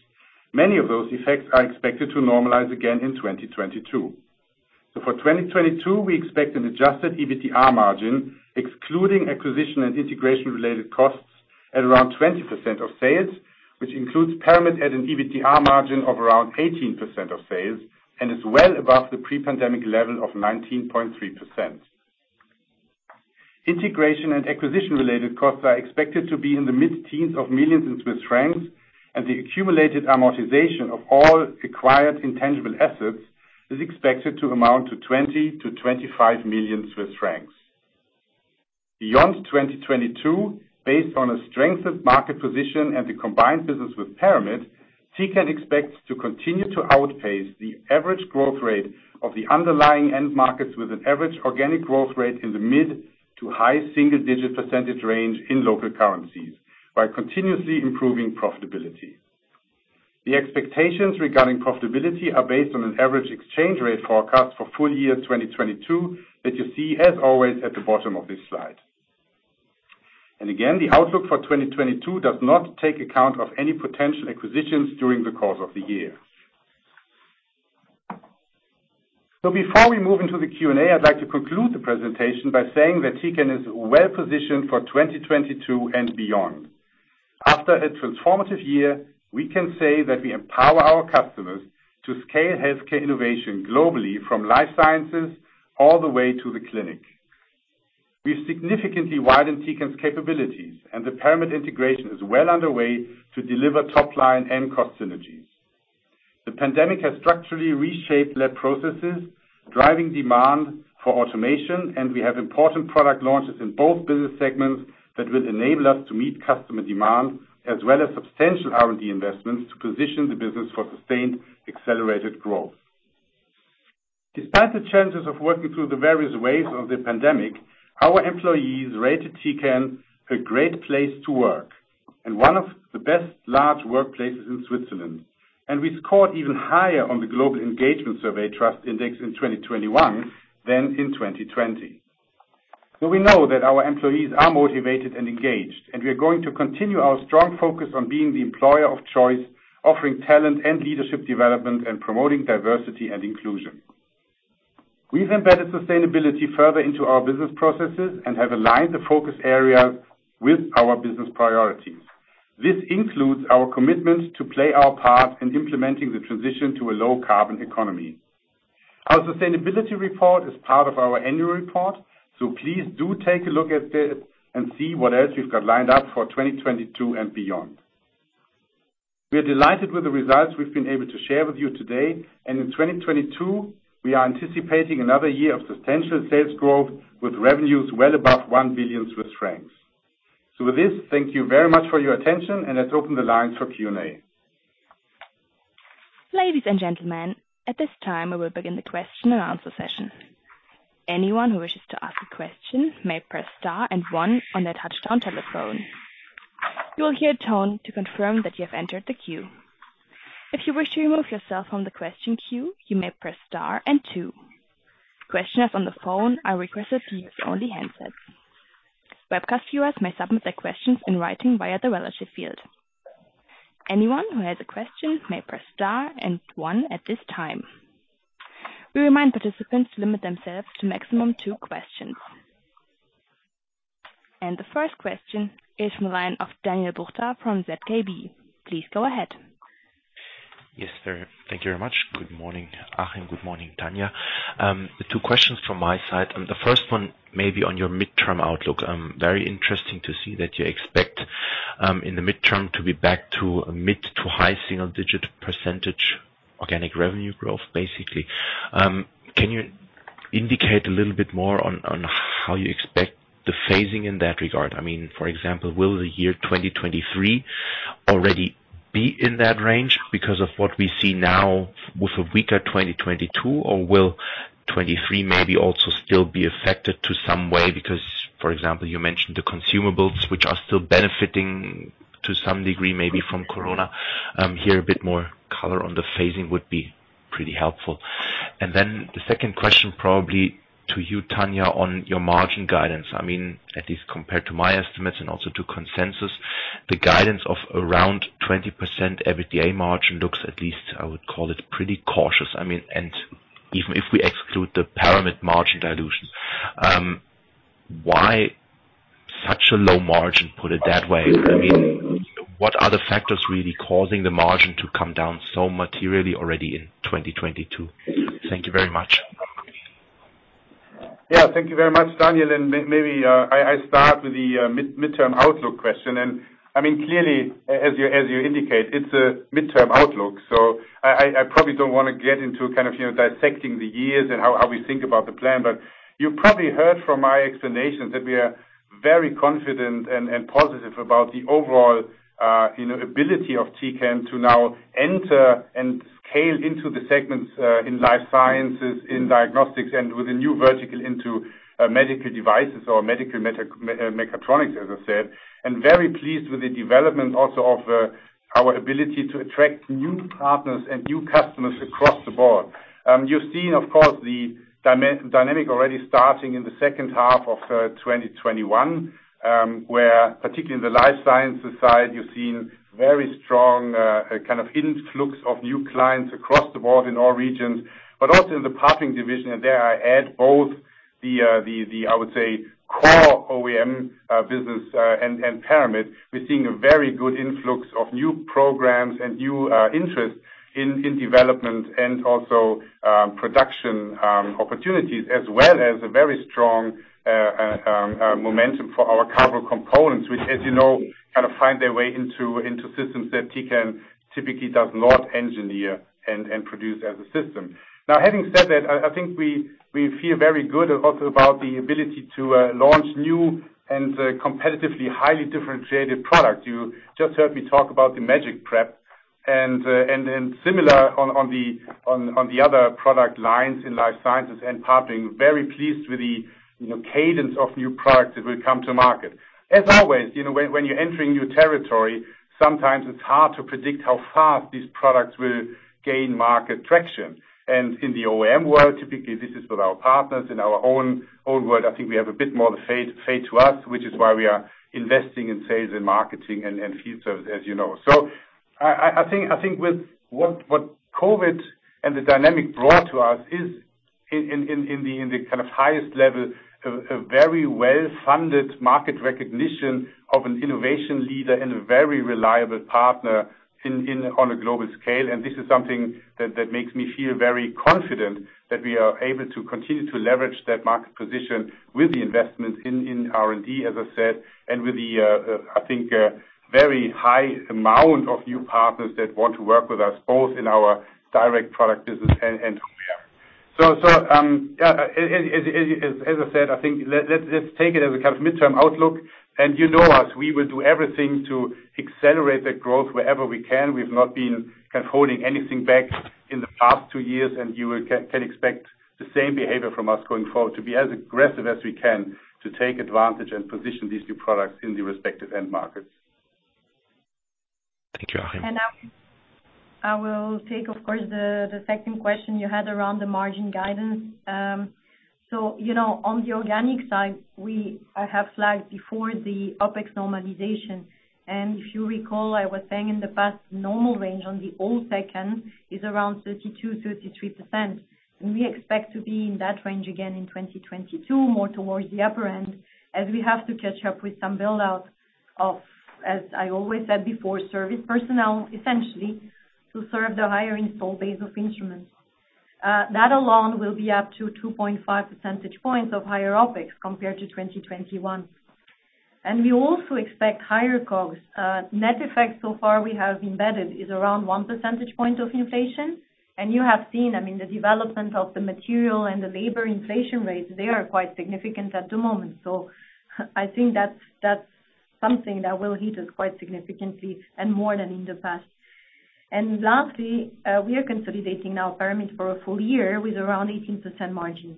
Many of those effects are expected to normalize again in 2022. For 2022, we expect an adjusted EBITDA margin, excluding acquisition and integration-related costs at around 20% of sales, which includes Paramit at an EBITDA margin of around 18% of sales and is well above the pre-pandemic level of 19.3%. Integration and acquisition-related costs are expected to be mid-teens of million in Swiss francs, and the accumulated amortization of all acquired intangible assets is expected to amount to 20 million-25 million Swiss francs. Beyond 2022, based on a strengthened market position and the combined business with Paramit, Tecan expects to continue to outpace the average growth rate of the underlying end markets with an average organic growth rate in the mid- to high single-digit percentage range in local currencies by continuously improving profitability. The expectations regarding profitability are based on an average exchange rate forecast for full year 2022 that you see, as always, at the bottom of this slide. Again, the outlook for 2022 does not take account of any potential acquisitions during the course of the year. Before we move into the Q&A, I'd like to conclude the presentation by saying that Tecan is well-positioned for 2022 and beyond. After a transformative year, we can say that we empower our customers to scale healthcare innovation globally from life sciences all the way to the clinic. We've significantly widened Tecan's capabilities, and the Paramit integration is well underway to deliver top line and cost synergies. The pandemic has structurally reshaped lab processes, driving demand for automation, and we have important product launches in both business segments that will enable us to meet customer demand, as well as substantial R&D investments to position the business for sustained, accelerated growth. Despite the challenges of working through the various waves of the pandemic, our employees rated Tecan a great place to work and one of the best large workplaces in Switzerland. We scored even higher on the Global Engagement Survey Trust Index in 2021 than in 2020. We know that our employees are motivated and engaged, and we are going to continue our strong focus on being the employer of choice, offering talent and leadership development, and promoting diversity and inclusion. We've embedded sustainability further into our business processes and have aligned the focus areas with our business priorities. This includes our commitment to play our part in implementing the transition to a low-carbon economy. Our sustainability report is part of our annual report, so please do take a look at it and see what else we've got lined up for 2022 and beyond. We are delighted with the results we've been able to share with you today, and in 2022, we are anticipating another year of substantial sales growth, with revenues well above 1 billion Swiss francs. With this, thank you very much for your attention, and let's open the lines for Q&A. Ladies and gentlemen, at this time, we will begin the question and answer session. Anyone who wishes to ask a question may press star and one on their touch-tone telephone. You will hear a tone to confirm that you have entered the queue. If you wish to remove yourself from the question queue, you may press star and two. Questioners on the phone are requested to use only handsets. Webcast viewers may submit their questions in writing via the related field. Anyone who has a question may press star and one at this time. We remind participants to limit themselves to a maximum of two questions. The first question is from the line of Daniel Jelovcan from ZKB. Please go ahead. Yes, thank you very much. Good morning, Achim. Good morning, Tania. Two questions from my side. The first one may be on your midterm outlook. Very interesting to see that you expect, in the midterm to be back to a mid-to-high single-digit percentage organic revenue growth, basically. Can you indicate a little bit more on how you expect the phasing in that regard? I mean, for example, will the year 2023 already be in that range because of what we see now with a weaker 2022? Or will 2023 maybe also still be affected in some way because, for example, you mentioned the consumables, which are still benefiting to some degree, maybe from Corona. Hear a bit more color on the phasing would be pretty helpful. The second question, probably to you, Tania, on your margin guidance. I mean, at least compared to my estimates and also to consensus, the guidance of around 20% EBITDA margin looks, at least I would call it pretty cautious. I mean, even if we exclude the Paramit margin dilution, why such a low margin, put it that way? I mean, what are the factors really causing the margin to come down so materially already in 2022? Thank you very much. Yeah. Thank you very much, Daniel. Maybe I start with the midterm outlook question. I mean, clearly, as you indicate, it's a midterm outlook, so I probably don't wanna get into kind of, you know, dissecting the years and how we think about the plan. You probably heard from my explanations that we are very confident and positive about the overall, you know, ability of Tecan to now enter and scale into the segments in life sciences, in diagnostics, and with a new vertical into medical devices or Medical Mechatronics, as I said, and very pleased with the development also of our ability to attract new partners and new customers across the board. You've seen, of course, the dynamic already starting in the second half of 2021, where particularly in the life sciences side, you've seen very strong kind of influx of new clients across the board in all regions, but also in the partnering division. There I add both the I would say core OEM business and Paramit. We're seeing a very good influx of new programs and new interest in development and also production opportunities, as well as a very strong momentum for our Cavro components, which, as you know, kind of find their way into systems that Tecan typically does not engineer and produce as a system. Now, having said that, I think we feel very good also about the ability to launch new and competitively highly differentiated products. You just heard me talk about the MagicPrep and then similar on the other product lines in life sciences and partnering. Very pleased with the cadence of new products that will come to market. As always, you know, when you're entering new territory, sometimes it's hard to predict how fast these products will gain market traction. In the OEM world, typically this is with our partners. In our own world, I think we have a bit more faith in us, which is why we are investing in sales and marketing and field service, as you know. I think with what COVID and the dynamic brought to us is, in the kind of highest level, a very well-funded market recognition of an innovation leader and a very reliable partner on a global scale. This is something that makes me feel very confident that we are able to continue to leverage that market position with the investments in R&D, as I said, and with the, I think, very high amount of new partners that want to work with us both in our direct product business and OEM. As I said, I think let's take it as a kind of midterm outlook. You know us, we will do everything to accelerate that growth wherever we can. We've not been kind of holding anything back in the past two years, and you can expect the same behavior from us going forward to be as aggressive as we can to take advantage and position these new products in the respective end markets. Thank you, Achim. I will take, of course, the second question you had around the margin guidance. So, you know, on the organic side, I have flagged before the OpEx normalization, and if you recall, I was saying in the past, normal range on the OpEx end is around 32%-33%. We expect to be in that range again in 2022, more towards the upper end, as we have to catch up with some build-out of, as I always said before, service personnel, essentially, to serve the higher install base of instruments. That alone will be up to 2.5 percentage points of higher OpEx compared to 2021. We also expect higher COGS. Net effect so far we have embedded is around 1 percentage point of inflation. You have seen, I mean, the development of the material and the labor inflation rates, they are quite significant at the moment. I think that's something that will hit us quite significantly and more than in the past. Lastly, we are consolidating now Paramit for a full year with around 18% margin.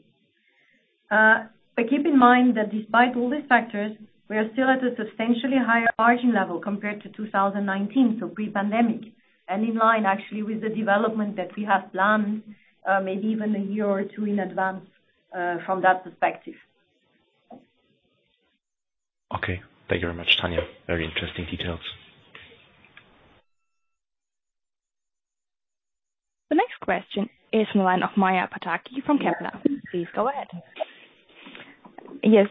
Keep in mind that despite all these factors, we are still at a substantially higher margin level compared to 2019, so pre-pandemic, and in line actually with the development that we have planned, maybe even a year or two in advance, from that perspective. Okay. Thank you very much, Tania. Very interesting details. The next question is in the line of Maja Pataki from Kepler. Please go ahead. Yes.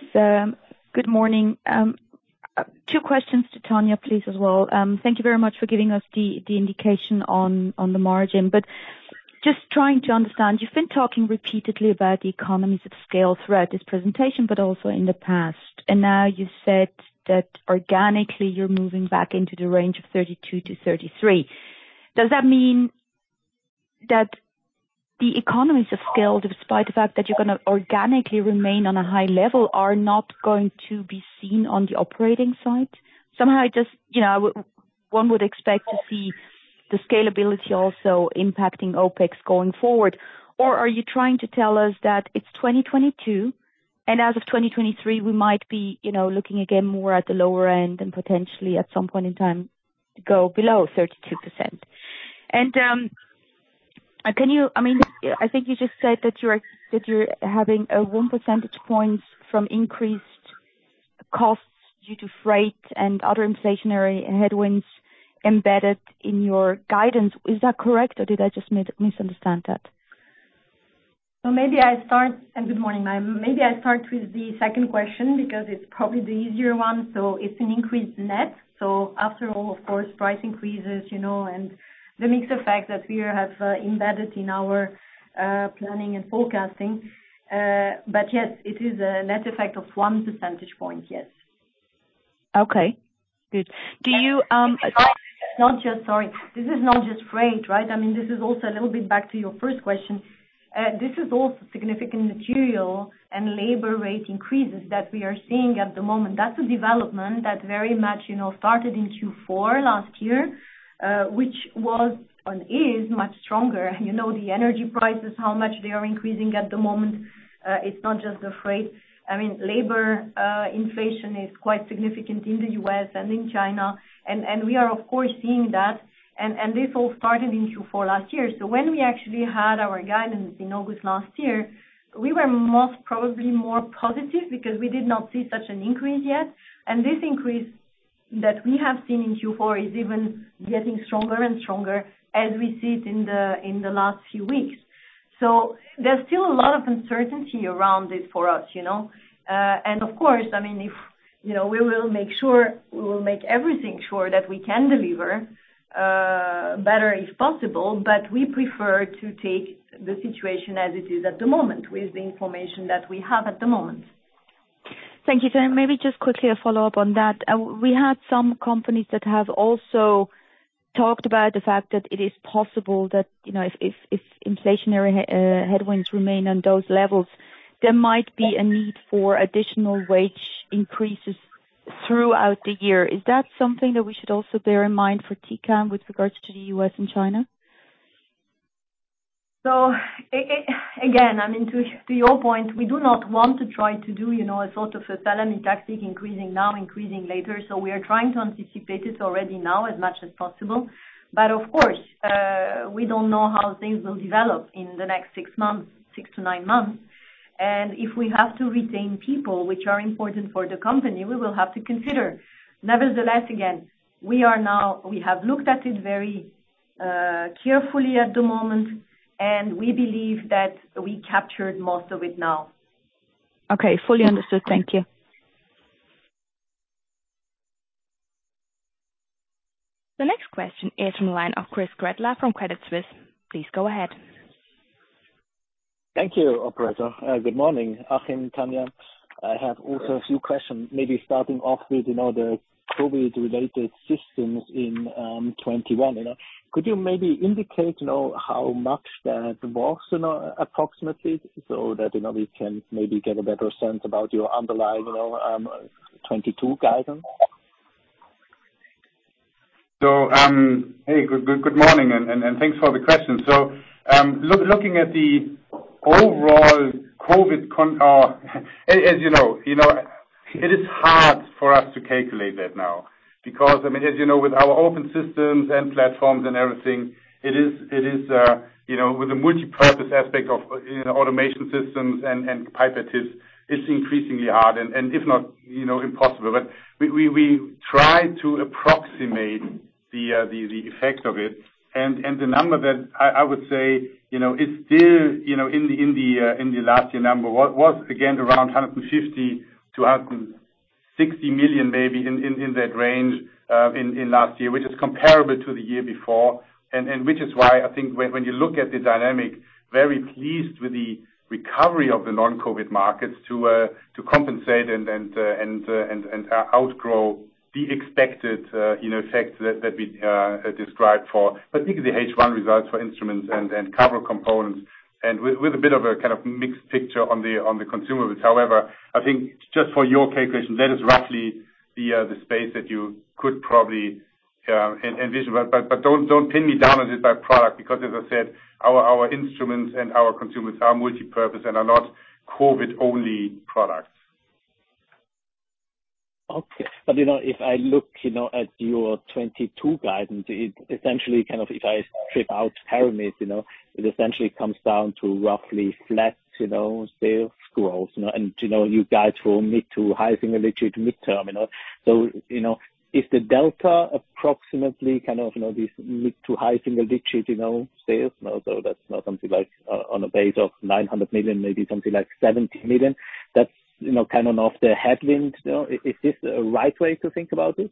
Good morning. Two questions to Tania, please, as well. Thank you very much for giving us the indication on the margin. Just trying to understand, you've been talking repeatedly about the economies of scale throughout this presentation, but also in the past. Now you said that organically you're moving back into the range of 32%-33%. Does that mean that the economies of scale, despite the fact that you're gonna organically remain on a high level, are not going to be seen on the operating side? Somehow I just, you know, one would expect to see the scalability also impacting OpEx going forward. Are you trying to tell us that it's 2022, and as of 2023, we might be, you know, looking again more at the lower end and potentially at some point in time, go below 32%. I mean, I think you just said that you're having 1 percentage points from increased costs due to freight and other inflationary headwinds embedded in your guidance. Is that correct, or did I just misunderstand that? Good morning, Maja. Maybe I start with the second question because it's probably the easier one. It's an increased net. After all, of course, price increases, you know, and the mix effect that we have embedded in our planning and forecasting. But yes, it is a net effect of 1 percentage point. Yes. Okay. Good. Do you? This is not just freight, right? I mean, this is also a little bit back to your first question. This is also significant material and labor rate increases that we are seeing at the moment. That's a development that very much, you know, started in Q4 last year, which was and is much stronger. You know the energy prices, how much they are increasing at the moment. It's not just the freight. I mean, labor inflation is quite significant in the U.S. and in China, and we are of course seeing that. This all started in Q4 last year. When we actually had our guidance in August last year, we were most probably more positive because we did not see such an increase yet. This increase that we have seen in Q4 is even getting stronger and stronger as we see it in the last few weeks. There's still a lot of uncertainty around it for us, you know. Of course, I mean, you know, we will make sure that we can deliver better if possible, but we prefer to take the situation as it is at the moment with the information that we have at the moment. Thank you. Maybe just quickly a follow-up on that. We had some companies that have also talked about the fact that it is possible that, you know, if inflationary headwinds remain on those levels, there might be a need for additional wage increases throughout the year. Is that something that we should also bear in mind for Tecan with regards to the U.S. and China? Again, I mean, to your point, we do not want to try to do, you know, a sort of a salami tactic, increasing now, increasing later. We are trying to anticipate it already now as much as possible. Of course, we don't know how things will develop in the next six months, 6-9 months. If we have to retain people which are important for the company, we will have to consider. Nevertheless, again, we have looked at it very carefully at the moment, and we believe that we captured most of it now. Okay. Fully understood. Thank you. The next question is from the line of Chris Gretler from Credit Suisse. Please go ahead. Thank you, operator. Good morning, Achim, Tania. I have also a few questions maybe starting off with, you know, the COVID-related systems in 2021. Could you maybe indicate, you know, how much that was, you know, approximately so that, you know, we can maybe get a better sense about your underlying, you know, 2022 guidance? Hey, good morning and thanks for the question. Looking at the overall COVID. As you know, it is hard for us to calculate that now because, I mean, as you know, with our open systems and platforms and everything, it is you know, with the multipurpose aspect of you know, automation systems and pipettes, it's increasingly hard and if not you know, impossible. We try to approximate the effect of it. The number that I would say you know, it's still you know, in the last year number was again around 150 million-160 million maybe in that range, in last year, which is comparable to the year before. Which is why I think when you look at the dynamic, I'm very pleased with the recovery of the non-COVID markets to compensate and outgrow the expected, you know, effects that we described for particularly the H1 results for instruments and Cavro components and with a bit of a kind of mixed picture on the consumables. However, I think just for your calculation, that is roughly the space that you could probably envision. Don't pin me down on this by product because as I said, our instruments and our consumables are multipurpose and are not COVID-only products. Okay. You know, if I look, you know, at your 2022 guidance, it essentially kind of, if I strip out Paramit, you know, it essentially comes down to roughly flat, you know, sales growth. You know, you guys will need to high single digit mid-term, you know. You know, is the delta approximately kind of, you know, this mid- to high-single-digit, you know, sales? You know, that's, you know, something like on a base of 900 million, maybe something like 70 million. That's, you know, kind of the headwind, you know. Is this the right way to think about it?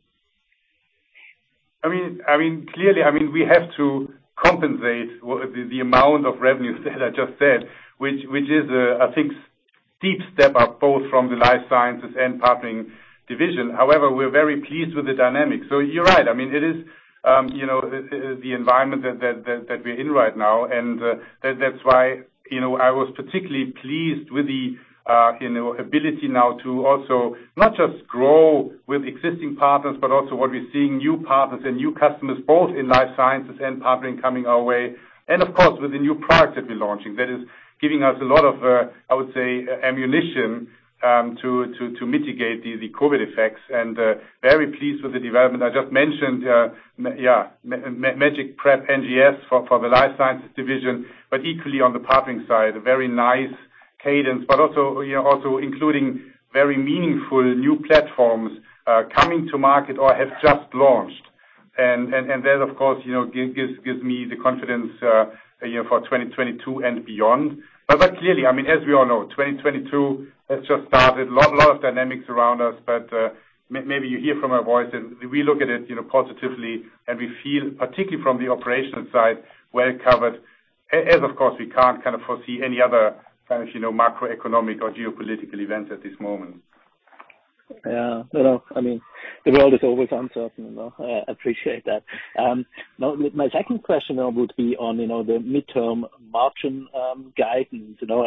I mean, clearly, we have to compensate the amount of revenue that I just said, which is, I think, a steep step up both from the Life Sciences and Pathology division. However, we're very pleased with the dynamics. You're right. I mean, it is, you know, the environment that we're in right now, and that's why, you know, I was particularly pleased with the, you know, ability now to also not just grow with existing partners but also what we're seeing new partners and new customers both in Life Sciences and partnering coming our way. Of course, with the new products that we're launching, that is giving us a lot of, I would say, ammunition, to mitigate the COVID effects. Very pleased with the development. I just mentioned MagicPrep NGS for the Life Sciences division. Equally on the partnering side, a very nice cadence, but also including very meaningful new platforms coming to market or have just launched. That of course, you know, gives me the confidence, you know, for 2022 and beyond. Clearly, I mean, as we all know, 2022 has just started, a lot of dynamics around us. Maybe you hear from our voice and we look at it, you know, positively, and we feel particularly from the operational side, well covered. As of course, we can't kind of foresee any other kind of, you know, macroeconomic or geopolitical events at this moment. Yeah. You know, I mean, the world is always uncertain, you know. I appreciate that. Now my second question now would be on, you know, the midterm margin guidance, you know.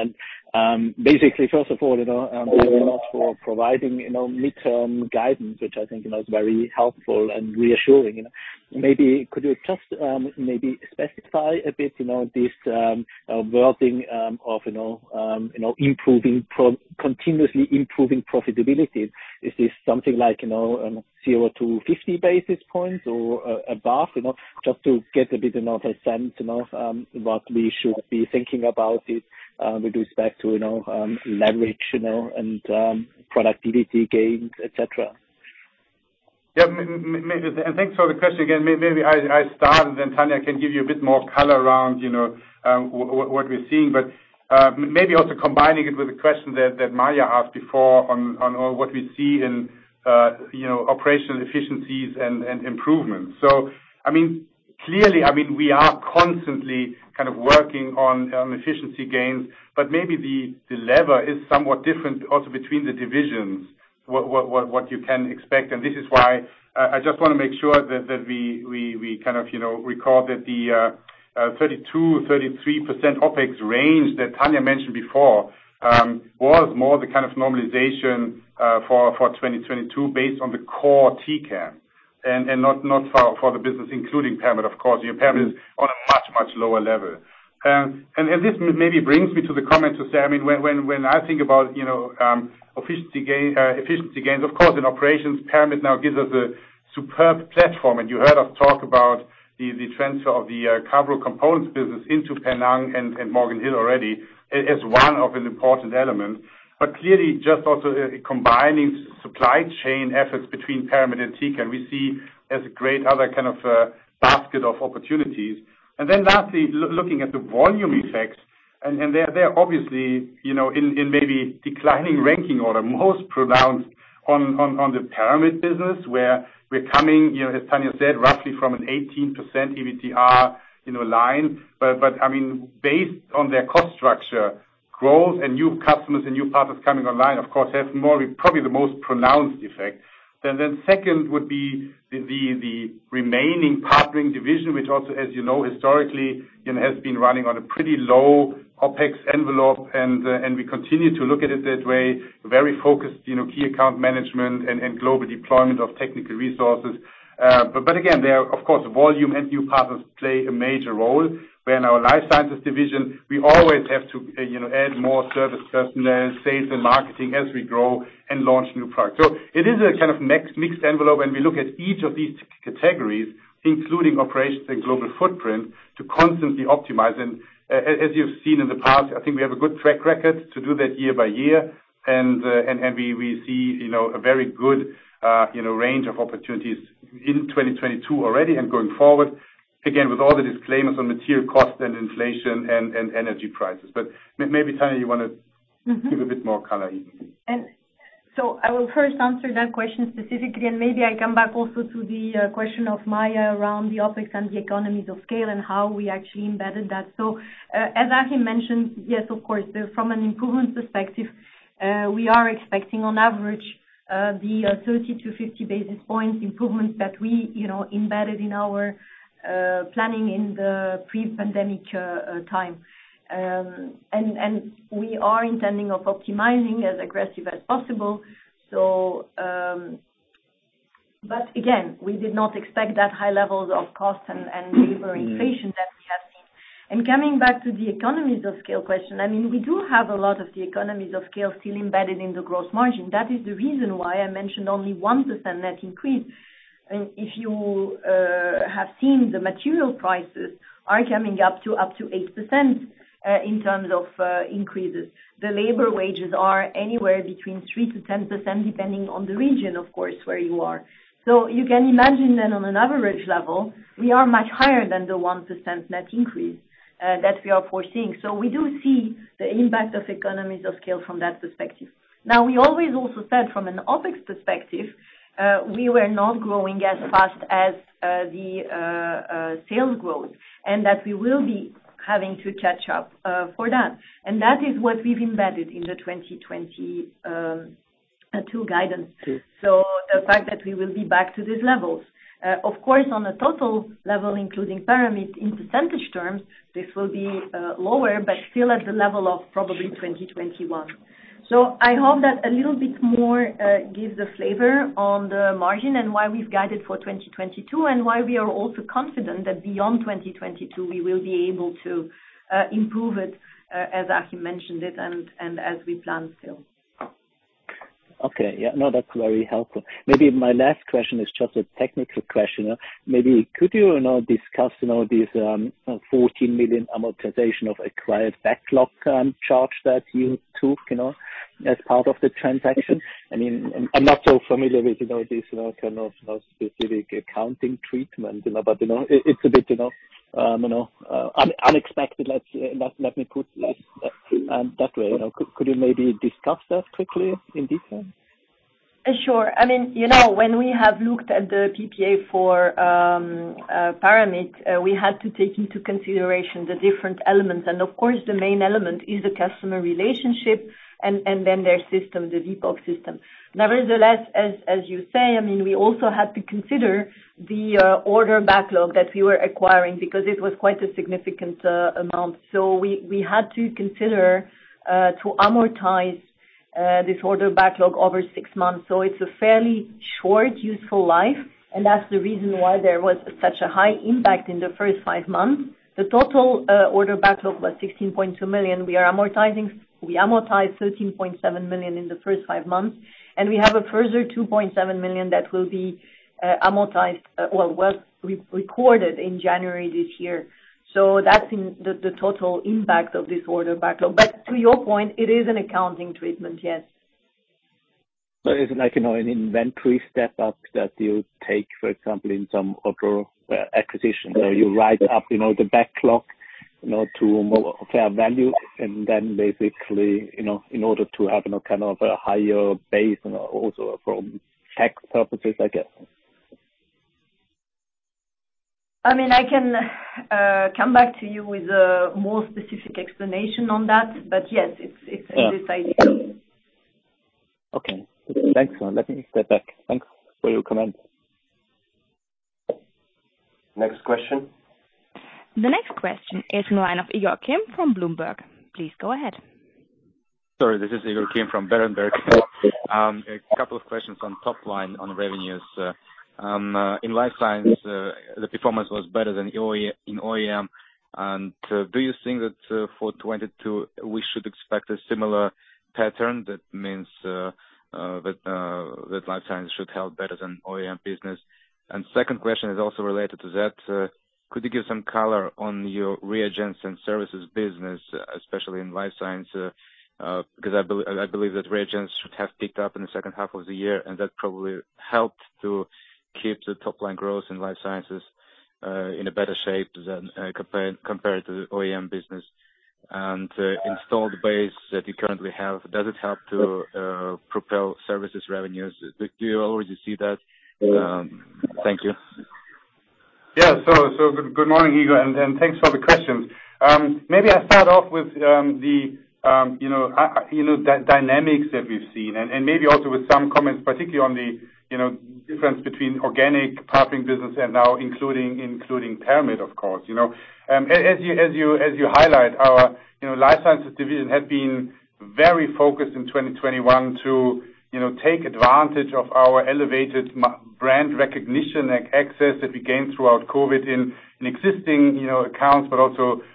Basically, first of all, you know, for providing, you know, midterm guidance, which I think, you know, is very helpful and reassuring, you know. Maybe could you just maybe specify a bit, you know, this wording of you know, you know, continuously improving profitability. Is this something like, you know, 0-50 basis points or above, you know? Just to get a bit of a sense, you know, what we should be thinking about it with respect to, you know, leverage, you know, and productivity gains, et cetera. Thanks for the question again. Maybe I start and then Tania can give you a bit more color around, you know, what we're seeing, but maybe also combining it with the question that Maja asked before on, you know, operational efficiencies and improvements. I mean, clearly, I mean, we are constantly kind of working on efficiency gains, but maybe the lever is somewhat different also between the divisions, what you can expect. This is why I just wanna make sure that we kind of, you know, recall that the 32%-33% OpEx range that Tania mentioned before was more the kind of normalization for 2022 based on the core Tecan and not for the business, including Paramit of course. You know, Paramit is on a much lower level. This maybe brings me to the comments to say, I mean, when I think about, you know, efficiency gains, of course in operations, Paramit now gives us a superb platform. You heard us talk about the transfer of the Cavro components business into Penang and Morgan Hill already as one of the important elements. Clearly just also combining supply chain efforts between Paramit and Tecan, we see as a great other kind of basket of opportunities. Then lastly looking at the volume effects, and they're obviously, you know, in maybe declining ranking order, most pronounced on the Paramit business, where we're coming, you know, as Tania said, roughly from an 18% EBITDA line. I mean, based on their cost structure. Growth and new customers and new partners coming online, of course, has more, probably the most pronounced effect. Then second would be the remaining partnering division, which also, as you know, historically, you know, has been running on a pretty low OpEx envelope, and we continue to look at it that way, very focused, you know, key account management and global deployment of technical resources. Again, there are, of course, volume and new partners play a major role. Where in our Life Sciences division, we always have to, you know, add more service personnel, sales, and marketing as we grow and launch new products. It is a kind of mixed envelope, and we look at each of these categories, including operations and global footprint, to constantly optimize them. As you've seen in the past, I think we have a good track record to do that year by year. We see, you know, a very good range of opportunities in 2022 already and going forward, again, with all the disclaimers on material costs and inflation and energy prices. Maybe, Tania, you want to give a bit more color here. I will first answer that question specifically, and maybe I come back also to the question of Maja around the OpEx and the economies of scale and how we actually embedded that. As Achim mentioned, yes, of course, from an improvement perspective, we are expecting on average the 30-50 basis points improvements that we, you know, embedded in our planning in the pre-pandemic time. We are intending of optimizing as aggressive as possible. But again, we did not expect that high levels of cost and labor inflation that we have seen. Coming back to the economies of scale question, I mean, we do have a lot of the economies of scale still embedded in the gross margin. That is the reason why I mentioned only 1% net increase. If you have seen the material prices are coming up to 8% in terms of increases. The labor wages are anywhere between 3%-10%, depending on the region, of course, where you are. You can imagine then on an average level, we are much higher than the 1% net increase that we are foreseeing. We do see the impact of economies of scale from that perspective. Now, we always also said from an OpEx perspective, we were not growing as fast as the sales growth, and that we will be having to catch up for that. That is what we've embedded in the 2022 guidance. Yes. The fact that we will be back to these levels. Of course, on a total level, including Paramit, in percentage terms, this will be lower, but still at the level of probably 2021. I hope that a little bit more gives a flavor on the margin and why we've guided for 2022, and why we are also confident that beyond 2022, we will be able to improve it as Achim mentioned it and as we plan to. Okay. Yeah. No, that's very helpful. Maybe my last question is just a technical question. Maybe could you know, discuss, you know, this, 14 million amortization of acquired backlog, charge that you took, you know, as part of the transaction? I mean, I'm not so familiar with, you know, this, you know, kind of specific accounting treatment, you know. But, you know, it's a bit, you know, unexpected, let me put it that way. You know, could you maybe discuss that quickly in detail? Sure. I mean, you know, when we have looked at the PPA for Paramit, we had to take into consideration the different elements, and of course, the main element is the customer relationship and then their system, the DePuy Synthes. Nevertheless, as you say, I mean, we also had to consider the order backlog that we were acquiring because it was quite a significant amount. We had to consider to amortize this order backlog over six months. It's a fairly short useful life, and that's the reason why there was such a high impact in the first five months. The total order backlog was 16.2 million. We amortized 13.7 million in the first five months, and we have a further 2.7 million that will be amortized, or well re-recorded in January this year. So that's in the total impact of this order backlog. But to your point, it is an accounting treatment, yes. Is it like, you know, an inventory step-up that you take, for example, in some other acquisition where you write up, you know, the backlog, you know, to a more fair value, and then basically, you know, in order to have, you know, kind of a higher base, you know, also from tax purposes, I guess? I mean, I can come back to you with a more specific explanation on that, but yes, it's this idea. Okay. Thanks. Let me get back. Thanks for your comment. Next question. The next question is from Igor Kim from Berenberg. Please go ahead. Sorry, this is Igor Kim from Berenberg. A couple of questions on top line on revenues. In Life Sciences, the performance was better than in OEM. Do you think that for 2022 we should expect a similar pattern that means that Life Sciences should perform better than OEM business? Second question is also related to that. Could you give some color on your reagents and services business, especially in Life Sciences? Because I believe that reagents should have picked up in the second half of the year, and that probably helped to keep the top line growth in Life Sciences in a better shape than compared to the OEM business. Installed base that you currently have, does it help to propel services revenues? Do you already see that? Thank you. Good morning Igor, and thanks for the questions. Maybe I start off with the you know dynamics that we've seen and maybe also with some comments, particularly on the you know difference between organic partnering business and now including Paramit of course you know. As you highlight, our you know Life Sciences division had been very focused in 2021 to you know take advantage of our elevated brand recognition access that we gained throughout COVID in existing you know accounts.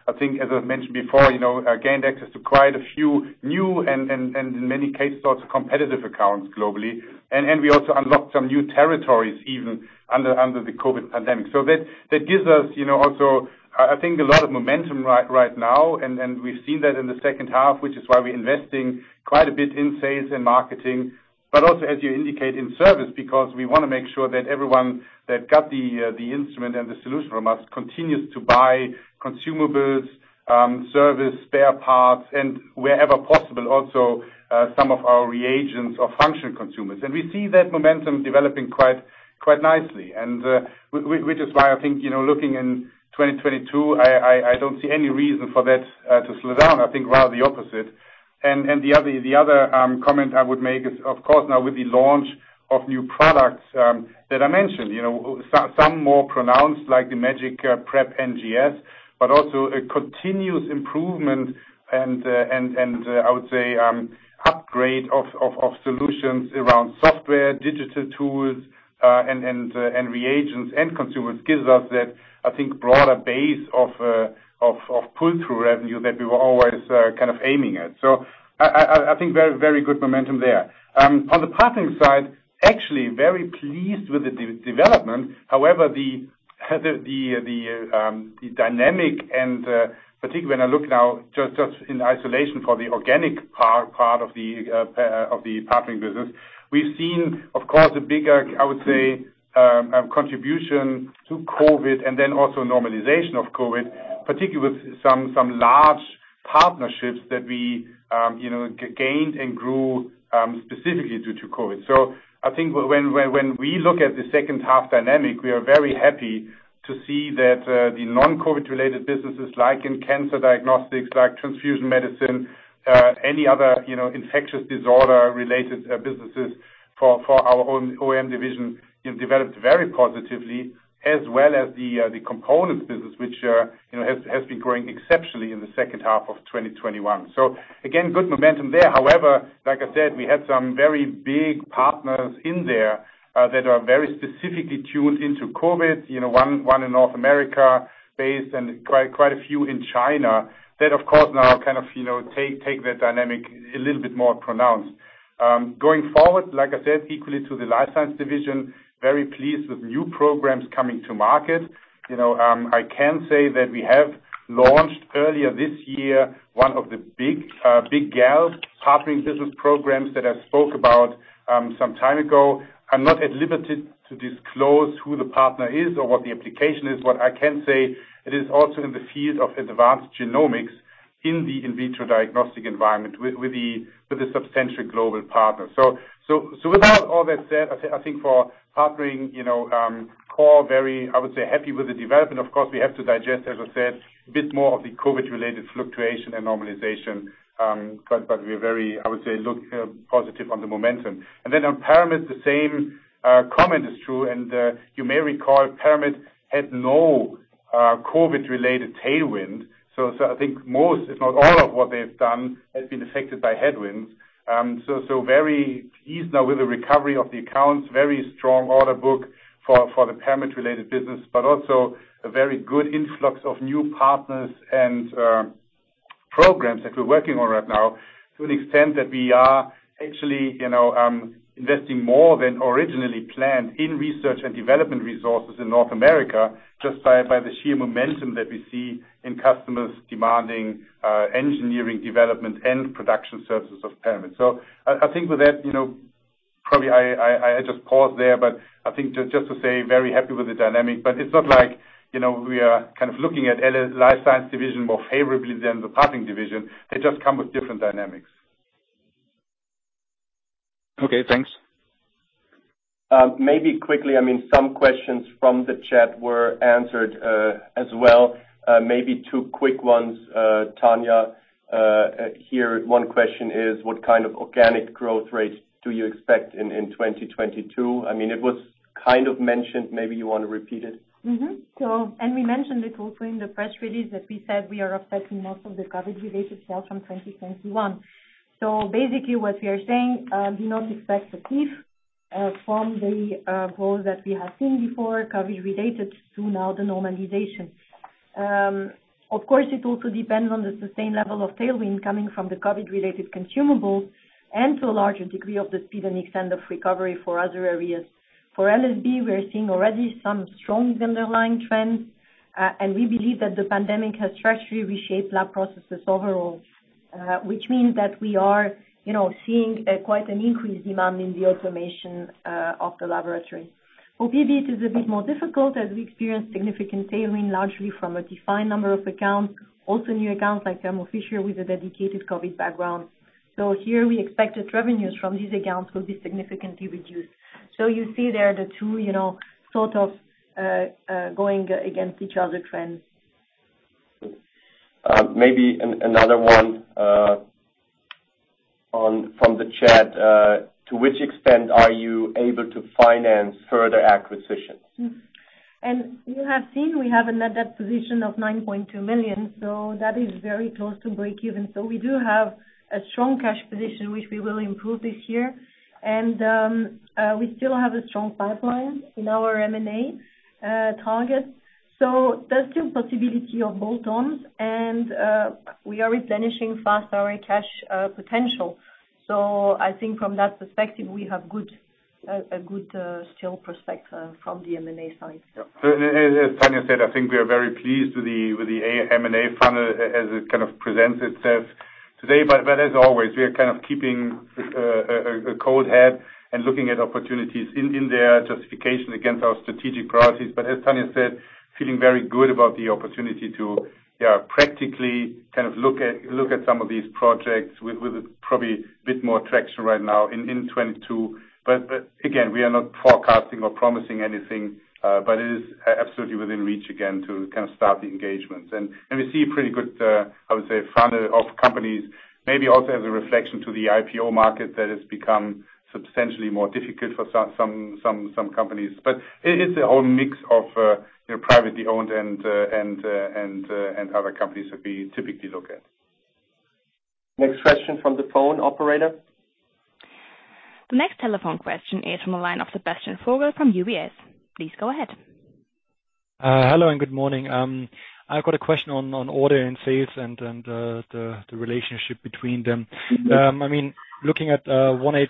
I think as I mentioned before you know gained access to quite a few new and in many cases lots of competitive accounts globally. We also unlocked some new territories even under the COVID pandemic. That gives us, you know, also, I think, a lot of momentum right now, and we've seen that in the second half, which is why we're investing quite a bit in sales and marketing. Also, as you indicate, in service, because we want to make sure that everyone that got the instrument and the solution from us continues to buy consumables, service, spare parts, and wherever possible, also some of our reagents or functional consumables. We see that momentum developing quite nicely. Which is why I think, you know, looking in 2022, I don't see any reason for that to slow down. I think rather the opposite. The other comment I would make is, of course now with the launch of new products that I mentioned, you know, some more pronounced like the MagicPrep NGS, but also a continuous improvement and I would say upgrade of solutions around software, digital tools, and reagents and consumables gives us that, I think, broader base of pull-through revenue that we were always kind of aiming at. I think very good momentum there. On the partnering side, actually very pleased with the development. However, the dynamic and particularly when I look now just in isolation for the organic part of the partnering business, we've seen, of course, a bigger, I would say, contribution to COVID and then also normalization of COVID, particularly with some large partnerships that we, you know, gained and grew specifically due to COVID. I think when we look at the second half dynamic, we are very happy to see that the non-COVID related businesses like in cancer diagnostics, like transfusion medicine, any other, you know, infectious disorder related businesses for our own OEM division developed very positively as well as the components business which, you know, has been growing exceptionally in the second half of 2021. Again, good momentum there. However, like I said, we had some very big partners in there that are very specifically tuned into COVID, you know, one in North America-based and quite a few in China. That of course now take that dynamic a little bit more pronounced. Going forward, like I said, equally to the Life Science division, very pleased with new programs coming to market. You know, I can say that we have launched earlier this year one of the big partnering business programs that I spoke about some time ago. I'm not at liberty to disclose who the partner is or what the application is. What I can say, it is also in the field of advanced genomics in the in vitro diagnostic environment with a substantial global partner. With that, all that said, I think for partnering, you know, we're very, I would say, happy with the development. Of course, we have to digest, as I said, a bit more of the COVID-related fluctuation and normalization. We're very, I would say, look positive on the momentum. Then on Paramit, the same comment is true. You may recall Paramit had no COVID-related tailwind. I think most, if not all of what they've done has been affected by headwinds. Very pleased now with the recovery of the accounts, very strong order book for the Paramit-related business, but also a very good influx of new partners and programs that we're working on right now to an extent that we are actually, you know, investing more than originally planned in research and development resources in North America just by the sheer momentum that we see in customers demanding engineering development and production services of Paramit. I just pause there. I think just to say very happy with the dynamic. It's not like, you know, we are kind of looking at Life Sciences division more favorably than the partnering division. They just come with different dynamics. Okay, thanks. Maybe quickly, I mean, some questions from the chat were answered as well. Maybe two quick ones, Tania. Here one question is, what kind of organic growth rate do you expect in 2022? I mean, it was kind of mentioned. Maybe you wanna repeat it. We mentioned it also in the press release that we said we are expecting most of the COVID-related sales from 2021. Basically what we are saying, do not expect a cliff from the growth that we have seen before COVID-related to now the normalization. Of course, it also depends on the sustained level of tailwind coming from the COVID-related consumables and to a larger degree of the speed and extent of recovery for other areas. For LSB, we are seeing already some strong underlying trends. We believe that the pandemic has structurally reshaped lab processes overall, which means that we are, you know, seeing quite an increased demand in the automation of the laboratory. For PD, it is a bit more difficult as we experience significant tailwinds largely from a defined number of accounts. Also new accounts like Thermo Fisher with a dedicated COVID background. Here we expected revenues from these accounts will be significantly reduced. You see there the two, you know, sort of, going against each other trends. Maybe another one from the chat. To which extent are you able to finance further acquisitions? You have seen we have a net debt position of 9.2 million, so that is very close to breakeven. We do have a strong cash position, which we will improve this year. We still have a strong pipeline in our M&A targets. There's still possibility of add-ons and we are replenishing fast our cash potential. I think from that perspective, we have a good still prospect from the M&A side. As Tania said, I think we are very pleased with the M&A funnel as it kind of presents itself today. As always, we are kind of keeping a cold head and looking at opportunities in their justification against our strategic priorities. As Tania said, feeling very good about the opportunity to practically kind of look at some of these projects with a probably bit more traction right now in 2022. Again, we are not forecasting or promising anything, but it is absolutely within reach again to kind of start the engagements. We see pretty good, I would say funnel of companies, maybe also as a reflection to the IPO market that has become substantially more difficult for some companies. It is a whole mix of, you know, privately owned and other companies that we typically look at. Next question from the phone operator. The next telephone question is from the line of Sebastian Vogel from UBS. Please go ahead. Hello and good morning. I've got a question on order and sales and the relationship between them. I mean, looking at 1H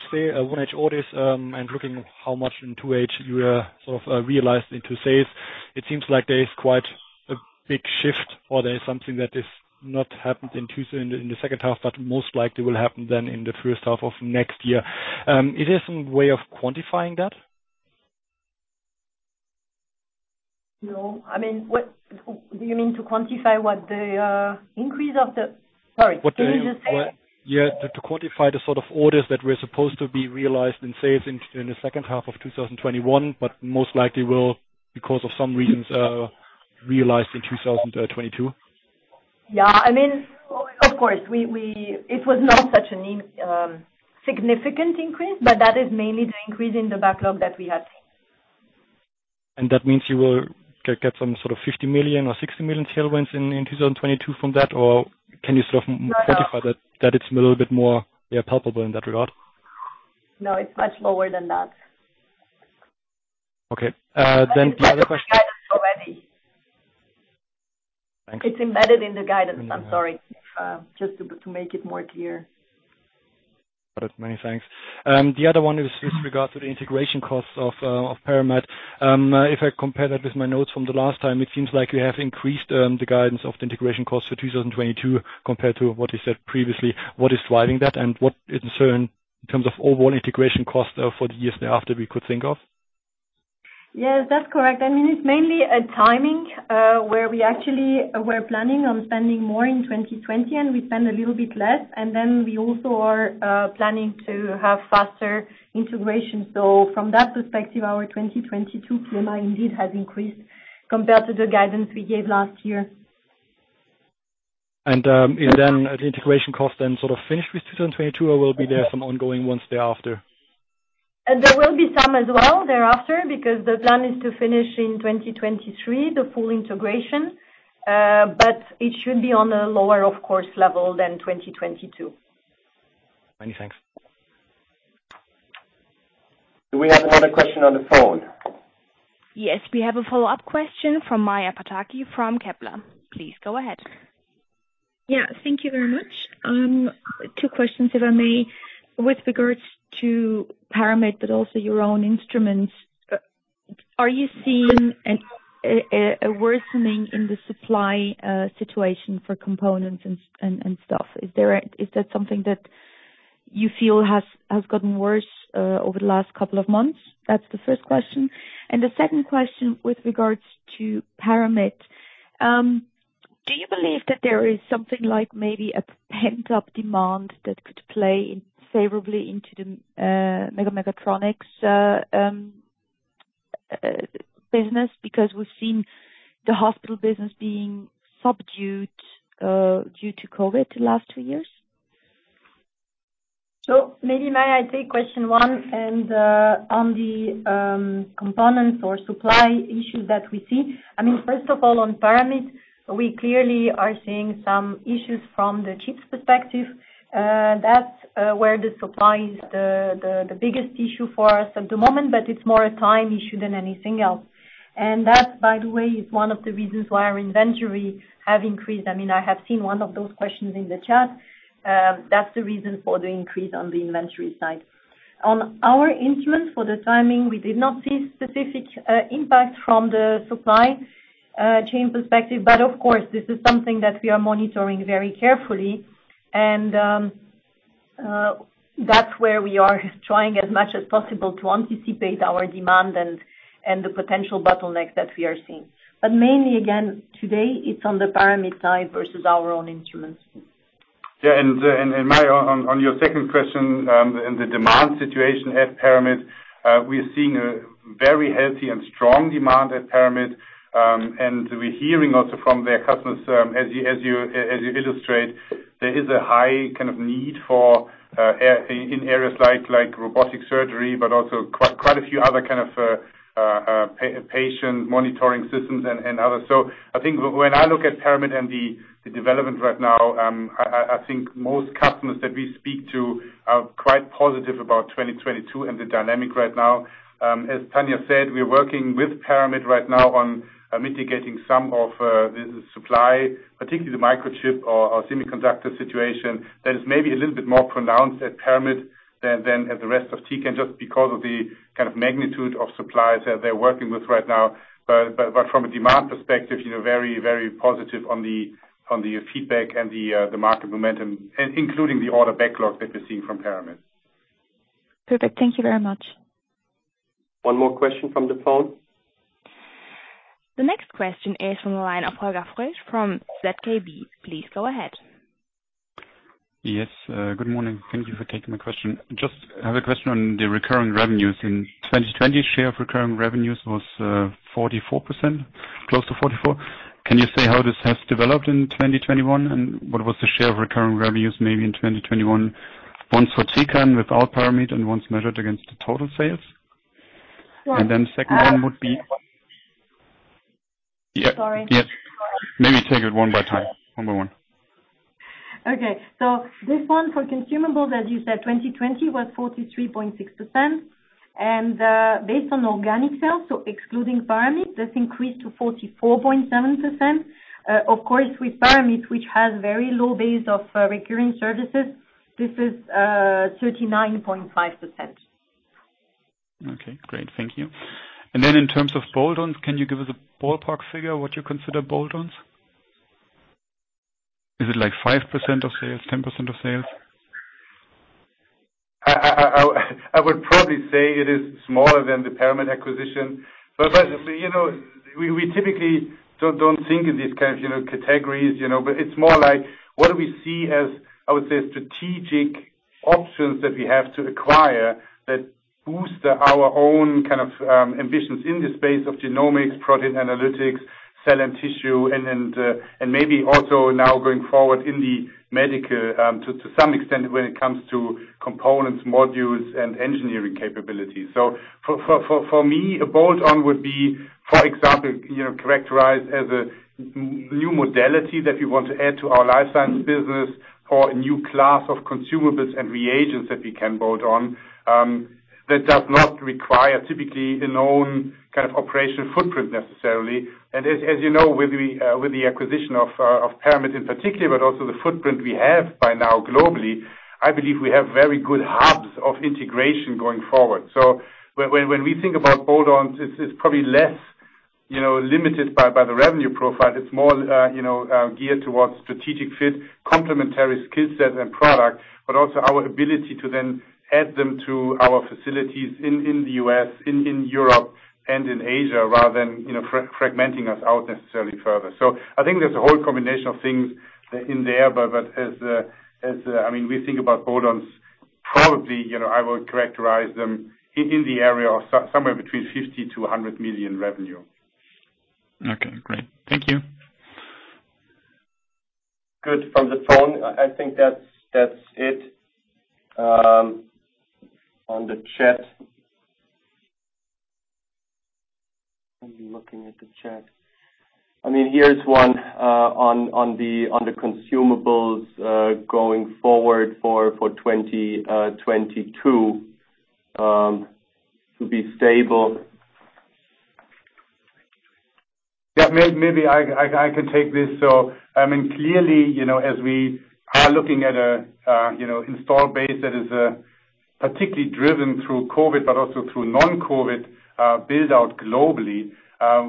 orders, and looking how much in 2H you sort of realized into sales, it seems like there is quite a big shift or there is something that is not happened in, in the second half, but most likely will happen then in the first half of next year. It is some way of quantifying that? No. I mean, what do you mean to quantify what the increase of the? Sorry, can you just say again? To quantify the sort of orders that were supposed to be realized in sales in the second half of 2021, but most likely will, because of some reasons, realized in 2022. Yeah. I mean, of course, it was not such a significant increase, but that is mainly the increase in the backlog that we had. That means you will get some sort of 50 million or 60 million tailwinds in 2022 from that? Or can you sort of- No, no. quantify that it's a little bit more, yeah, palpable in that regard? No, it's much lower than that. Okay. The other question. I think that's in the guidance already. Thanks. It's embedded in the guidance. I'm sorry. Just to make it more clear. Got it. Many thanks. The other one is with regard to the integration costs of Paramit. If I compare that with my notes from the last time, it seems like you have increased the guidance of the integration costs for 2022 compared to what you said previously. What is driving that and what is the concern in terms of overall integration costs for the years thereafter we could think of? Yes, that's correct. I mean, it's mainly a timing, where we actually were planning on spending more in 2020 and we spend a little bit less. Then we also are planning to have faster integration. From that perspective, our 2022 PMI indeed has increased compared to the guidance we gave last year. Then the integration cost then sort of finish with 2022 or will there be some ongoing ones thereafter? There will be some as well thereafter because the plan is to finish in 2023 the full integration. But it should be on a lower, of course, level than 2022. Many thanks. Do we have another question on the phone? Yes, we have a follow-up question from Maja Pataki from Kepler. Please go ahead. Yeah, thank you very much. Two questions, if I may. With regards to Paramit but also your own instruments, are you seeing a worsening in the supply situation for components and stuff? Is that something that you feel has gotten worse over the last couple of months? That's the first question. The second question with regards to Paramit, do you believe that there is something like maybe a pent-up demand that could play favorably into the Medical Mechatronics business because we've seen the hospital business being subdued due to COVID the last two years? Maybe, Maja, I take question one and on the components or supply issue that we see. I mean, first of all, on Paramit, we clearly are seeing some issues from the chips perspective. That's where the supply is the biggest issue for us at the moment, but it's more a time issue than anything else. And that, by the way, is one of the reasons why our inventory have increased. I mean, I have seen one of those questions in the chat. That's the reason for the increase on the inventory side. On our instruments for the timing, we did not see specific impact from the supply chain perspective. Of course, this is something that we are monitoring very carefully and that's where we are trying as much as possible to anticipate our demand and the potential bottlenecks that we are seeing. Mainly, again, today, it's on the Paramit side versus our own instruments. Maja, on your second question, in the demand situation at Paramit, we're seeing a very healthy and strong demand at Paramit, and we're hearing also from their customers, as you illustrate, there is a high kind of need for in areas like robotic surgery, but also quite a few other kind of patient monitoring systems and others. I think when I look at Paramit and the development right now, I think most customers that we speak to are quite positive about 2022 and the dynamic right now. As Tania said, we're working with Paramit right now on mitigating some of the supply, particularly the microchip or semiconductor situation that is maybe a little bit more pronounced at Paramit than at the rest of Tecan, just because of the kind of magnitude of suppliers that they're working with right now. But from a demand perspective, you know, very positive on the feedback and the market momentum, including the order backlog that we're seeing from Paramit. Perfect. Thank you very much. One more question from the phone. The next question is from the line of Paul Gaffrey from ZKB. Please go ahead. Yes. Good morning. Thank you for taking my question. I just have a question on the recurring revenues. In 2020, share of recurring revenues was 44%, close to 44%. Can you say how this has developed in 2021? What was the share of recurring revenues maybe in 2021, once for Tecan without Paramit and once measured against the total sales? Well- Second one would be. Sorry. Yeah. Yes. Maybe take it one at a time, one by one. Okay. This one for consumables, as you said, 2020 was 43.6%. Based on organic sales, excluding Paramit, that's increased to 44.7%. Of course, with Paramit, which has very low base of recurring services, this is 39.5%. Okay, great. Thank you. In terms of bolt-ons, can you give us a ballpark figure what you consider bolt-ons? Is it like 5% of sales, 10% of sales? I would probably say it is smaller than the Paramit acquisition. You know, we typically don't think in these kinds of, you know, categories, you know. It's more like what do we see as, I would say, strategic options that we have to acquire that boost our own kind of, ambitions in the space of genomics, protein analytics, cell and tissue, and maybe also now going forward in the medical, to some extent when it comes to components, modules, and engineering capabilities. For me, a bolt-on would be, for example, you know, characterized as a new modality that we want to add to our Life Sciences business or a new class of consumables and reagents that we can bolt on that does not require typically a known kind of operational footprint necessarily. As you know, with the acquisition of Paramit in particular, but also the footprint we have by now globally, I believe we have very good hubs of integration going forward. When we think about bolt-ons, it's probably less, you know, limited by the revenue profile. It's more, you know, geared towards strategic fit, complementary skill set and product, but also our ability to then add them to our facilities in the U.S., in Europe, and in Asia, rather than, you know, fragmenting us out necessarily further. I think there's a whole combination of things in there. As I mean, we think about bolt-ons, probably, you know, I would characterize them in the area of somewhere between 50 million-100 million revenue. Okay, great. Thank you. Good. From the phone, I think that's it. On the chat. Let me look at the chat. I mean, here's one on the consumables going forward for 2022 to be stable. Yeah, maybe I can take this. I mean, clearly, you know, as we are looking at a you know, installed base that is particularly driven through COVID, but also through non-COVID build-out globally,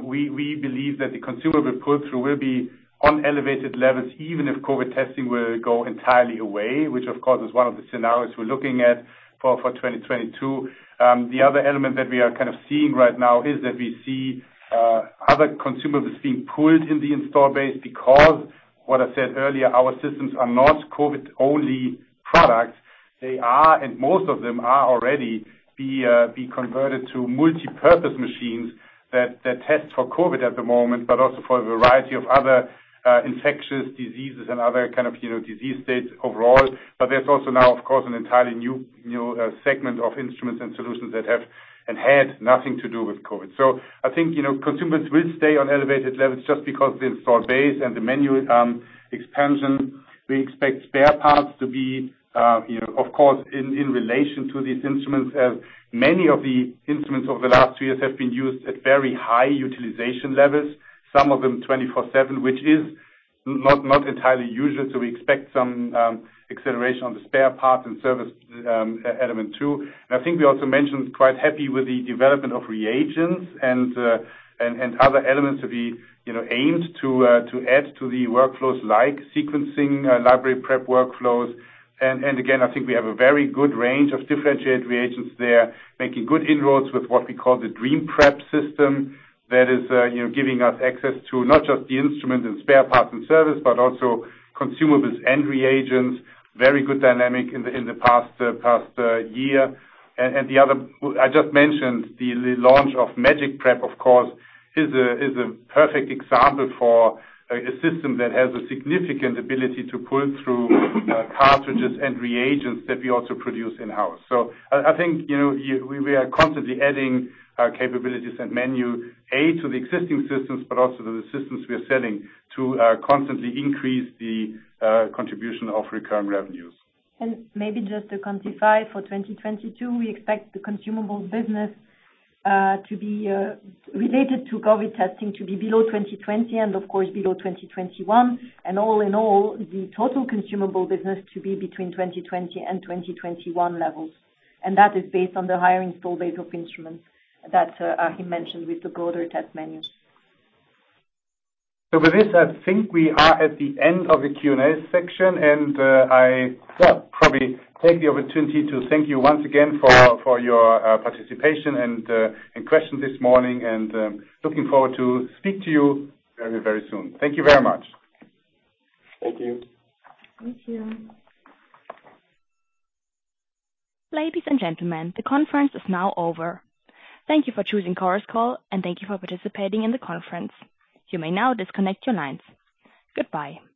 we believe that the consumable pull-through will be on elevated levels, even if COVID testing will go entirely away, which of course is one of the scenarios we're looking at for 2022. The other element that we are kind of seeing right now is that we see other consumables being pulled in the install base because what I said earlier, our systems are not COVID-only products. They are, and most of them are already being converted to multipurpose machines that test for COVID at the moment, but also for a variety of other infectious diseases and other kind of, you know, disease states overall. But there's also now, of course, an entirely new segment of instruments and solutions that have had nothing to do with COVID. So I think, you know, consumables will stay on elevated levels just because the install base and the menu expansion. We expect spare parts to be, you know, of course, in relation to these instruments, as many of the instruments over the last two years have been used at very high utilization levels, some of them 24/7, which is not entirely usual. We expect some acceleration on the spare parts and service element too. I think we are quite happy with the development of reagents and other elements that we, you know, aimed to add to the workflows like sequencing library prep workflows. Again, I think we have a very good range of differentiated reagents there, making good inroads with what we call the DreamPrep system that is, you know, giving us access to not just the instrument and spare parts and service, but also consumables and reagents. Very good dynamic in the past year. I just mentioned the launch of MagicPrep, of course, is a perfect example for a system that has a significant ability to pull through cartridges and reagents that we also produce in-house. I think, you know, we are constantly adding capabilities and menu to the existing systems, but also to the systems we are selling to constantly increase the contribution of recurring revenues. Maybe just to quantify for 2022, we expect the consumable business to be related to COVID testing to be below 2020 and of course below 2021. All in all, the total consumable business to be between 2020 and 2021 levels. That is based on the higher installed base of instruments that Achim mentioned with the broader test menu. With this, I think we are at the end of the Q&A section, and I probably take the opportunity to thank you once again for your participation and questions this morning. Looking forward to speak to you very, very soon. Thank you very much. Thank you. Thank you. Ladies and gentlemen, the conference is now over. Thank you for choosing Chorus Call, and thank you for participating in the conference. You may now disconnect your lines. Goodbye.